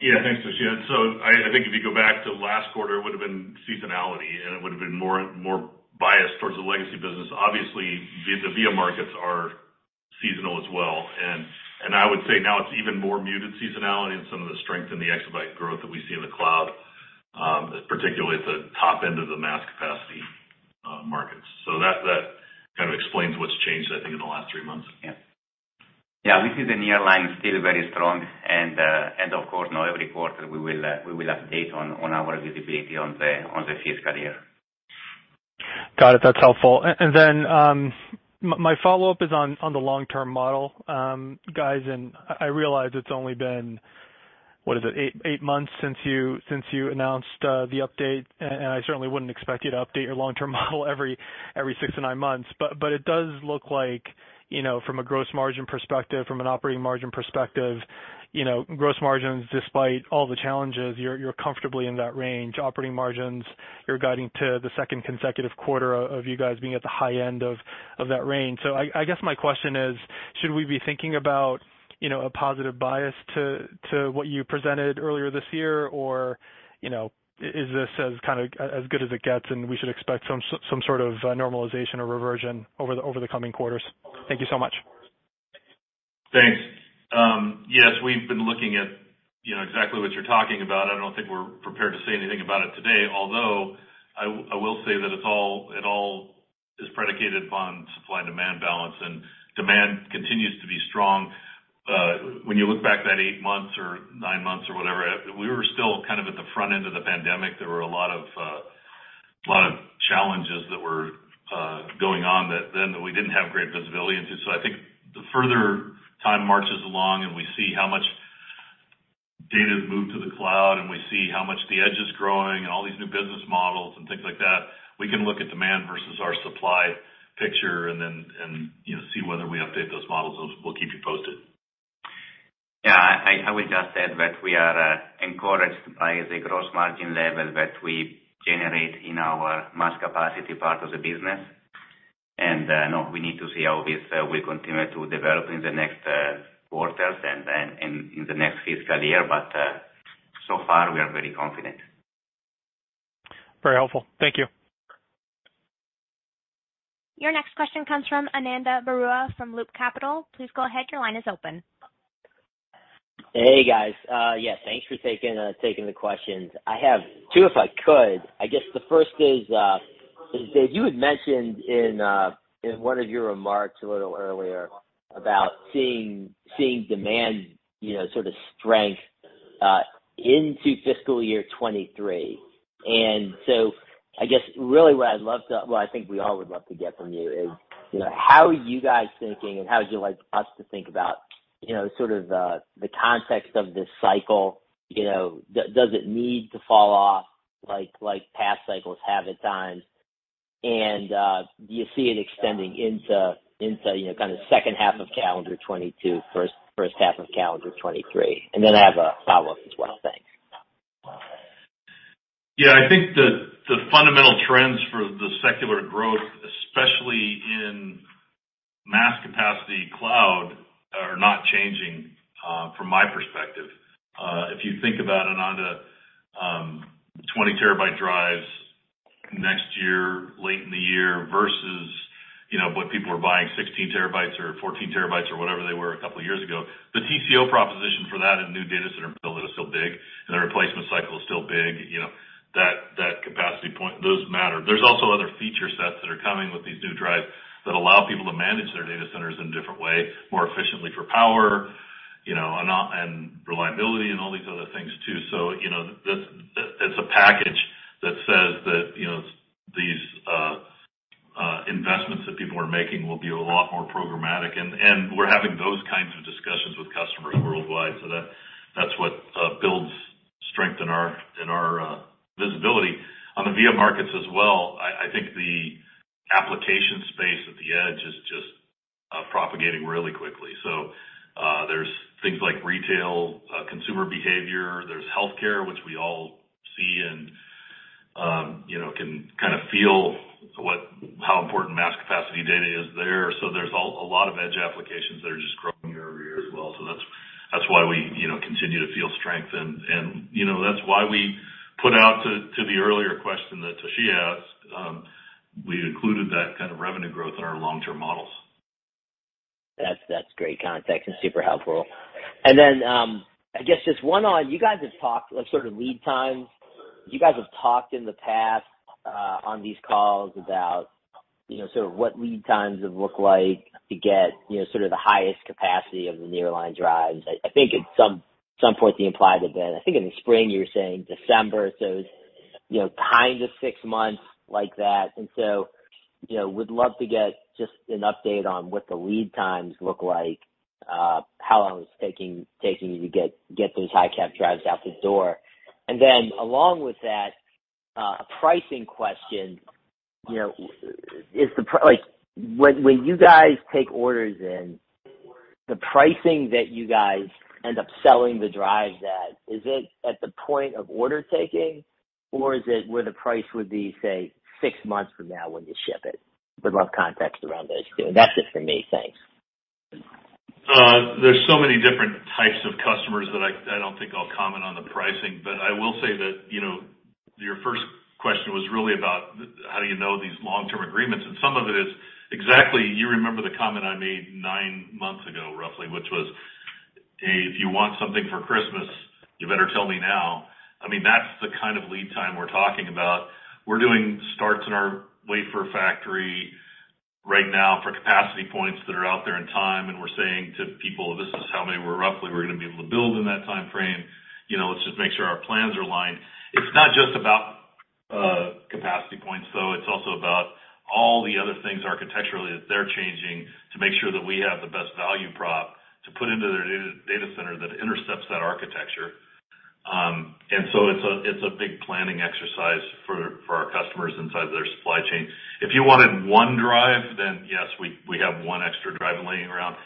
Yeah, thanks, Toshiya. I think if you go back to last quarter, it would've been seasonality, and it would've been more biased towards the legacy business. Obviously, the VIA markets are seasonal as well. I would say now it's even more muted seasonality and some of the strength in the exabyte growth that we see in the cloud, particularly at the top end of the mass capacity markets. That kind of explains what's changed, I think, in the last three months. Yeah. Yeah. We see the nearline still very strong, and of course, every quarter we will update on our visibility on the fiscal year. Got it. That's helpful. My follow-up is on the long-term model, guys, and I realize it's only been, what is it? Eight months since you announced the update, and I certainly wouldn't expect you to update your long-term model every six to nine months. It does look like from a gross margin perspective, from an operating margin perspective, gross margins, despite all the challenges, you're comfortably in that range. Operating margins, you're guiding to the second consecutive quarter of you guys being at the high end of that range. I guess my question is, should we be thinking about a positive bias to what you presented earlier this year, or is this as kind of as good as it gets and we should expect some sort of normalization or reversion over the coming quarters? Thank you so much. Thanks. Yes, we've been looking at exactly what you're talking about. I don't think we're prepared to say anything about it today, although I will say that it all is predicated on supply and demand balance, and demand continues to be strong. When you look back that eight months or nine months or whatever, we were still kind of at the front end of the pandemic. There were a lot of challenges that were going on that we didn't have great visibility into. I think the further time marches along and we see how much data has moved to the cloud, and we see how much the edge is growing and all these new business models and things like that, we can look at demand versus our supply picture and then see whether we update those models. We'll keep you posted. I will just add that we are encouraged by the gross margin level that we generate in our mass capacity part of the business. Now we need to see how this will continue to develop in the next quarters and in the next fiscal year. So far, we are very confident. Very helpful. Thank you. Your next question comes from Ananda Baruah from Loop Capital. Please go ahead. Your line is open. Hey, guys. Yeah, thanks for taking the questions. I have two if I could. I guess the first is Dave, you had mentioned in one of your remarks a little earlier about seeing demand sort of strength into fiscal year 2023. I guess really what I'd love to, well, I think we all would love to get from you is how are you guys thinking, and how would you like us to think about sort of the context of this cycle? Does it need to fall off like past cycles have at times? Do you see it extending into kind of second half of calendar 2022, first half of calendar 2023? I have a follow-up as well. Thanks. Yeah. I think the fundamental trends for the secular growth, especially in mass capacity cloud, are not changing from my perspective. If you think about it, Ananda, 20 TB drives next year, late in the year, versus what 16 TB or 14 TB or whatever they were a couple of years ago, the TCO proposition for that in a new data center build is still big, and the replacement cycle is still big. That capacity point, those matter. There is also other feature sets that are coming with these new drives that allow people to manage their data centers in a different way, more efficiently for power, and reliability and all these other things too. It is a package that says that these investments that people are making will be a lot more programmatic. We're having those kinds of discussions with customers worldwide, that's what builds strength in our visibility. On the VIA markets as well, I think the application space at the edge is just propagating really quickly. There's things like retail, consumer behavior, there's healthcare, which we all see and can feel how important mass capacity data is there. There's a lot of edge applications that are just growing year-over-year as well. That's why we continue to feel strength, and that's why we put out to the earlier question that Toshiya asked, we included that kind of revenue growth in our long-term models. That's great context and super helpful. I guess just one on, you guys have talked lead times. You guys have talked in the past on these calls about sort of what lead times have looked like to get the highest capacity of the nearline drives. I think at some point the implied event, I think in the spring, you were saying December, so it's kind of six months like that. Would love to get just an update on what the lead times look like, how long it's taking you to get those high-cap drives out the door. Along with that, a pricing question. When you guys take orders in, the pricing that you guys end up selling the drives at, is it at the point of order taking, or is it where the price would be, say, six months from now when you ship it? Would love context around those two. That's it for me. Thanks. There's so many different types of customers that I don't think I'll comment on the pricing. I will say that your first question was really about how do you know these long-term agreements, and some of it is exactly, you remember the comment I made nine months ago, roughly, which was, "If you want something for Christmas, you better tell me now." I mean, that's the kind of lead time we're talking about. We're doing starts in our wafer factory right now for capacity points that are out there in time, and we're saying to people, "This is how many roughly we're going to be able to build in that timeframe. Let's just make sure our plans are aligned." It's not just about capacity points, though. It's also about all the other things architecturally that they're changing to make sure that we have the best value prop to put into their data center that intercepts that architecture. It's a big planning exercise for our customers inside their supply chain. If you wanted one drive, then yes, we have one extra drive laying around.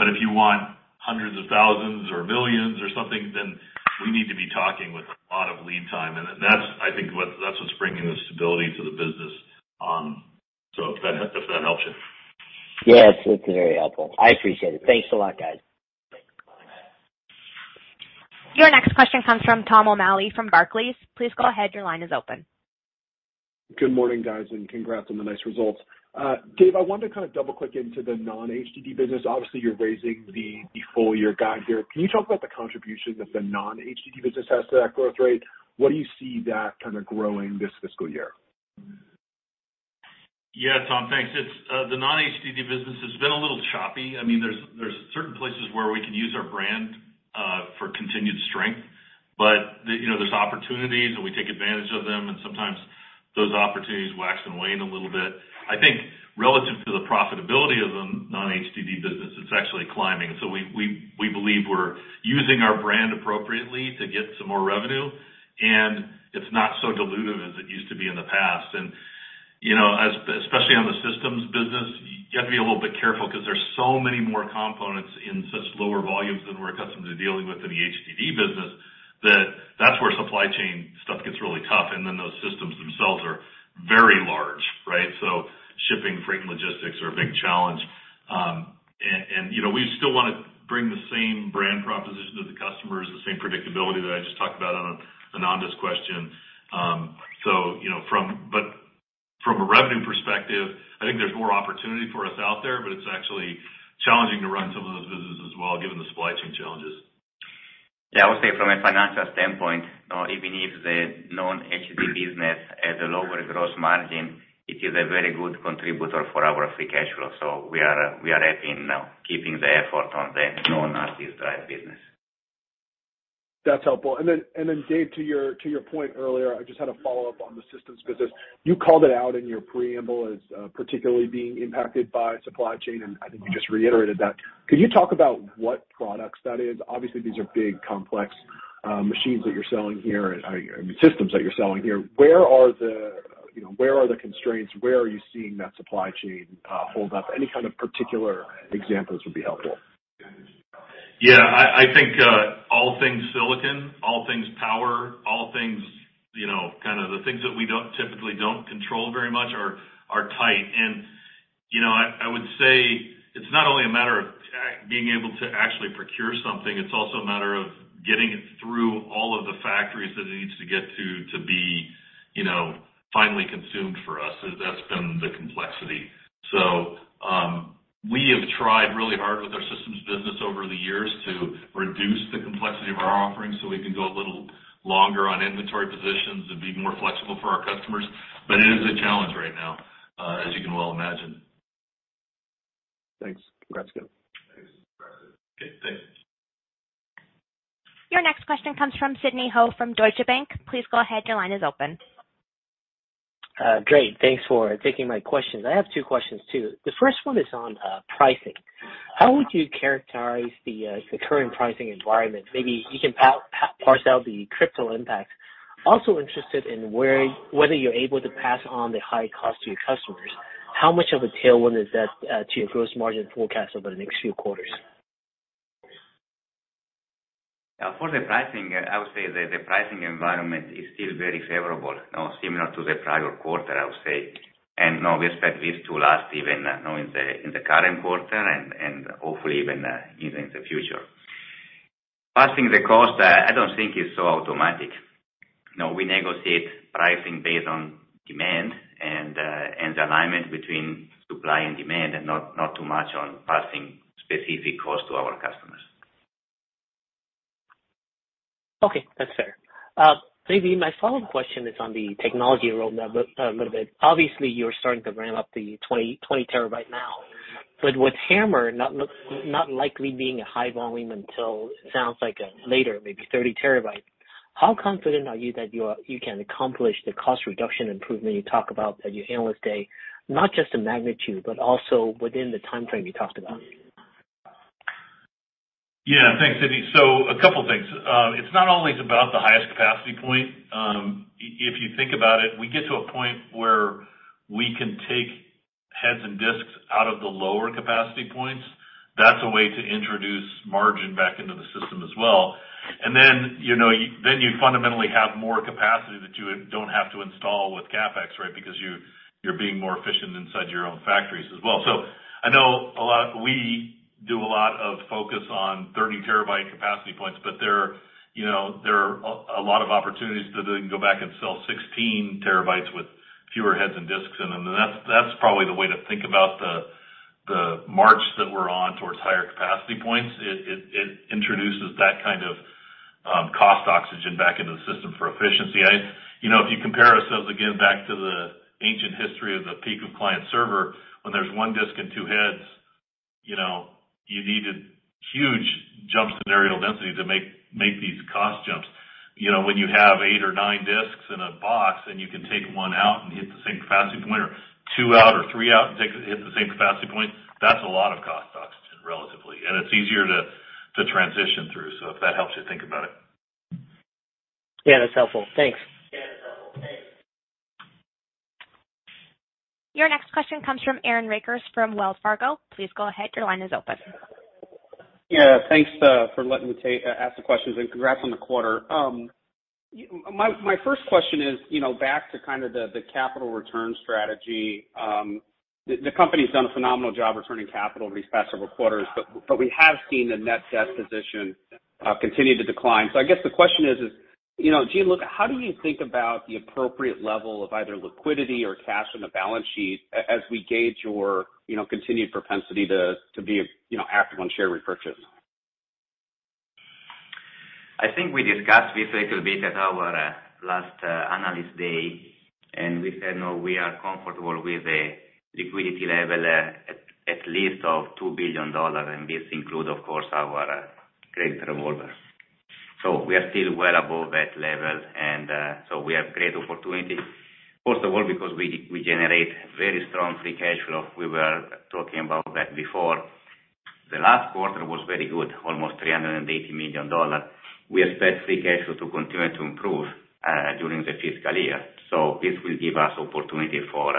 If you want hundreds of thousands or millions or something, then we need to be talking with a lot of lead time. That's, I think, that's what's bringing the stability to the business. If that helps you. Yeah, it's very helpful. I appreciate it. Thanks a lot, guys. Your next question comes from Tom O'Malley from Barclays. Please go ahead, your line is open. Good morning, guys, and congrats on the nice results. Dave, I wanted to kind of double-click into the non-HDD business. Obviously, you're raising the full-year guide here. Can you talk about the contribution that the non-HDD business has to that growth rate? What do you see that kind of growing this fiscal year? Yeah, Tom, thanks. The non-HDD business has been a little choppy. There's certain places where we can use our brand for continued strength, but there's opportunities, and we take advantage of them, and sometimes those opportunities wax and wane a little bit. I think relative to the profitability of the non-HDD business, it's actually climbing. We believe we're using our brand appropriately to get some more revenue, and it's not so dilutive as it used to be in the past. Especially on the systems business, you have to be a little bit careful because there's so many more components in such lower volumes than we're accustomed to dealing with in the HDD business, that's where supply chain stuff gets really tough. Those systems themselves are very large, right? Shipping, freight, and logistics are a big challenge. We still want to bring the same brand proposition to the customers, the same predictability that I just talked about on Ananda's question. From a revenue perspective, I think there's more opportunity for us out there, but it's actually challenging to run some of those businesses as well, given the supply chain challenges. Yeah, I would say from a financial standpoint, even if the non-HDD business has a lower gross margin, it is a very good contributor for our free cash flow. We are happy now keeping the effort on the non-HDD drive business. That's helpful. Dave, to your point earlier, I just had a follow-up on the systems business. You called it out in your preamble as particularly being impacted by supply chain, and I think you just reiterated that. Could you talk about what products that is? Obviously, these are big, complex machines that you're selling here, I mean, systems that you're selling here. Where are the constraints? Where are you seeing that supply chain hold up? Any kind of particular examples would be helpful. Yeah. I think all things silicon, all things power, all things, kind of the things that we typically don't control very much are tight. I would say it's not only a matter of being able to actually procure something, it's also a matter of getting it through all of the factories that it needs to get to be finally consumed for us. That's been the complexity. We have tried really hard with our systems business over the years to reduce the complexity of our offerings so we can go a little longer on inventory positions and be more flexible for our customers. It is a challenge right now, as you can well imagine. Thanks. Congrats again. Thanks. Your next question comes from Sidney Ho from Deutsche Bank. Please go ahead. Your line is open. Great. Thanks for taking my questions. I have two questions too. The first one is on pricing. How would you characterize the current pricing environment? Maybe you can parse out the crypto impact. Also interested in whether you're able to pass on the high cost to your customers. How much of a tailwind is that to your gross margin forecast over the next few quarters? For the pricing, I would say that the pricing environment is still very favorable. Now, similar to the prior quarter, I would say. Now we expect this to last even now in the current quarter and hopefully even in the future. Passing the cost, I don't think it's so automatic. Now we negotiate pricing based on demand and the alignment between supply and demand and not too much on passing specific costs to our customers. Okay. That's fair. Maybe my follow-up question is on the technology roadmap a little bit. Obviously, you're starting to ramp up the 20 TB now, but with HAMR not likely being a high volume until, sounds like later, maybe 30 TB, how confident are you that you can accomplish the cost reduction improvement you talk about at your Analyst Day, not just the magnitude, but also within the timeframe you talked about? Yeah. Thanks, Sidney. A couple things. It's not always about the highest capacity point. If you think about it, we get to a point where we can take heads and disks out of the lower capacity points. That's a way to introduce margin back into the system as well. Then you fundamentally have more capacity that you don't have to install with CapEx, right? Because you're being more efficient inside your own factories as well. I know we do a lot of focus on 30 TB capacity points, but there are a lot of opportunities to then go back and sell 16 TB with fewer heads and disks in them. That's probably the way to think about the march that we're on towards higher capacity points. It introduces that kind of cost oxygen back into the system for efficiency. If you compare ourselves, again, back to the ancient history of the peak of client server, when there's one disk and two heads, you needed huge jump scenario density to make these cost jumps. When you have eight or nine disks in a box and you can take one out and hit the same capacity point, or two out or three out and hit the same capacity point, that's a lot of cost oxygen, relatively. It's easier to transition through. If that helps you think about it. That's helpful. Thanks. Your next question comes from Aaron Rakers from Wells Fargo. Please go ahead. Your line is open. Yeah. Thanks for letting me ask the questions, and congrats on the quarter. My first question is back to the capital return strategy. The company's done a phenomenal job returning capital these past several quarters, but we have seen the net debt position continue to decline. I guess the question is, Gian, how do you think about the appropriate level of either liquidity or cash on the balance sheet as we gauge your continued propensity to be active on share repurchase? I think we discussed this a little bit at our last Analyst Day. We said now we are comfortable with a liquidity level at least of $2 billion. This includes, of course, our credit revolver. We are still well above that level. We have great opportunity, first of all, because we generate very strong free cash flow. We were talking about that before. The last quarter was very good, almost $380 million. We expect free cash flow to continue to improve during the fiscal year. This will give us opportunity for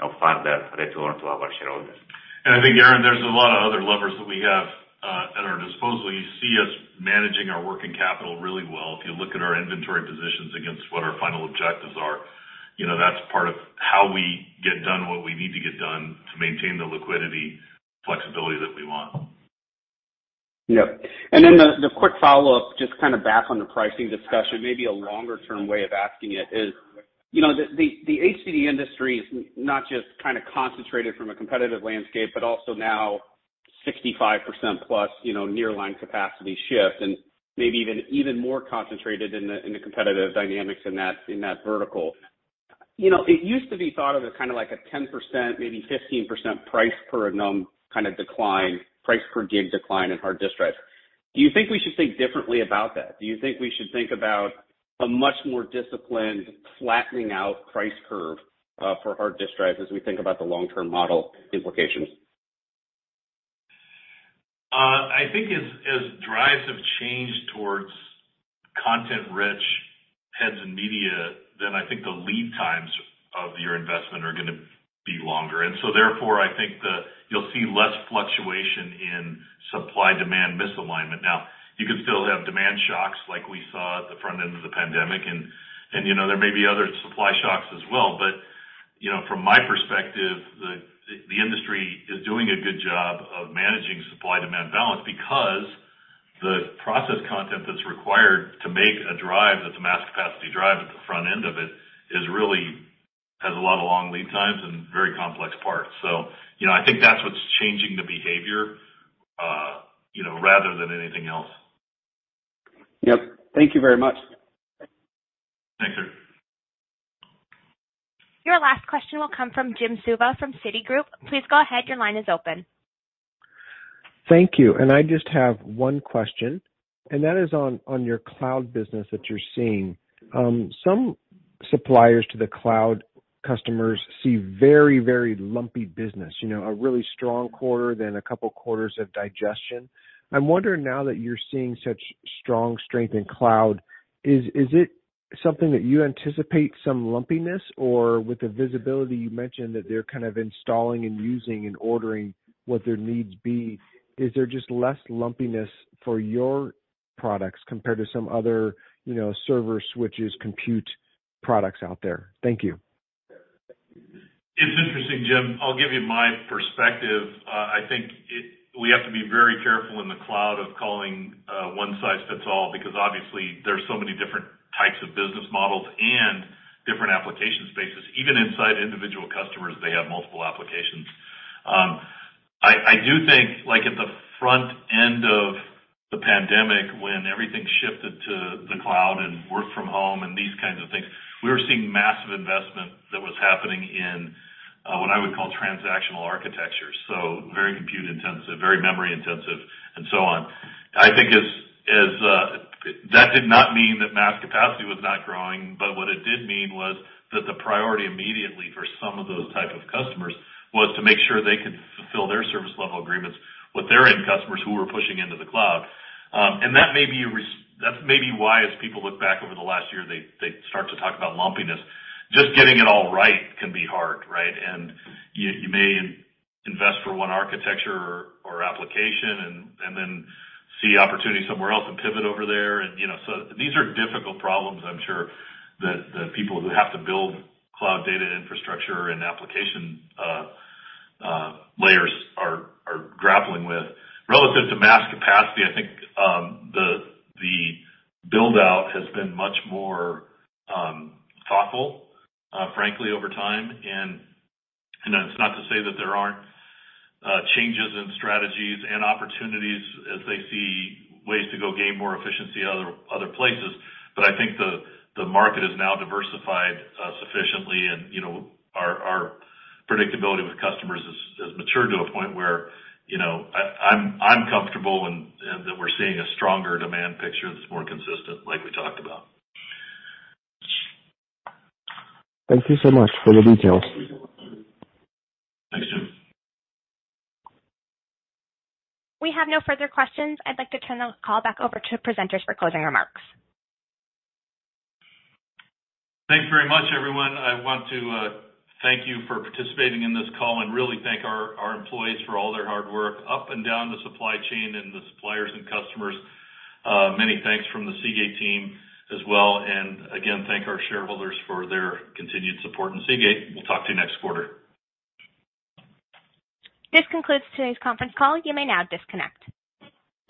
further return to our shareholders. I think, Aaron, there's a lot of other levers that we have at our disposal. You see us managing our working capital really well. If you look at our inventory positions against what our final objectives are, that's part of how we get done what we need to get done to maintain the liquidity flexibility that we want. Yep. The quick follow-up, just back on the pricing discussion, maybe a longer-term way of asking it is, the HDD industry is not just concentrated from a competitive landscape, but also now 65%+ nearline capacity shift, and maybe even more concentrated in the competitive dynamics in that vertical. It used to be thought of as like a 10%, maybe 15% price per gig kind of decline, price per gig decline in hard disk drives. Do you think we should think differently about that? Do you think we should think about a much more disciplined flattening out price curve for hard disk drives as we think about the long-term model implications? I think as drives have changed towards content-rich heads and media, then I think the lead times of your investment are going to be longer. Therefore, I think you'll see less fluctuation in supply-demand misalignment. Now, you can still have demand shocks like we saw at the front end of the pandemic, and there may be other supply shocks as well. From my perspective, the industry is doing a good job of managing supply-demand balance because the process content that's required to make a drive, that's a mass capacity drive at the front end of it, really has a lot of long lead times and very complex parts. I think that's what's changing the behavior rather than anything else. Yep. Thank you very much. Thanks, sir. Your last question will come from Jim Suva from Citigroup. Please go ahead. Your line is open. Thank you. I just have one question, and that is on your cloud business that you're seeing. Some suppliers to the cloud customers see very lumpy business. A really strong quarter, then a couple quarters of digestion. I'm wondering now that you're seeing such strong strength in cloud, is it something that you anticipate some lumpiness? With the visibility you mentioned that they're kind of installing and using and ordering what their needs be, is there just less lumpiness for your products compared to some other server switches, compute products out there? Thank you. It's interesting, Jim. I'll give you my perspective. I think we have to be very careful in the cloud of calling one size fits all, because obviously there's so many different types of business models and different application spaces. Even inside individual customers, they have multiple applications. I do think at the front end of the pandemic, when everything shifted to the cloud and work from home and these kinds of things, we were seeing massive investment that was happening in what I would call transactional architectures, so very compute intensive, very memory intensive, and so on. That did not mean that mass capacity was not growing, but what it did mean was that the priority immediately for some of those type of customers was to make sure they could fulfill their service level agreements with their end customers who were pushing into the cloud. That's maybe why as people look back over the last year, they start to talk about lumpiness. Just getting it all right can be hard, right? You may invest for one architecture or application and then see opportunity somewhere else and pivot over there. These are difficult problems I'm sure that people who have to build cloud data infrastructure and application layers are grappling with. Relative to mass capacity, I think the build-out has been much more thoughtful, frankly, over time. It's not to say that there aren't changes in strategies and opportunities as they see ways to go gain more efficiency other places. I think the market is now diversified sufficiently and our predictability with customers has matured to a point where I'm comfortable in that we're seeing a stronger demand picture that's more consistent, like we talked about. Thank you so much for the details. Thanks, Jim. We have no further questions. I'd like to turn the call back over to presenters for closing remarks. Thanks very much, everyone. I want to thank you for participating in this call and really thank our employees for all their hard work up and down the supply chain, and the suppliers and customers. Many thanks from the Seagate team as well. Again, thank our shareholders for their continued support in Seagate. We will talk to you next quarter. This concludes today's conference call. You may now disconnect.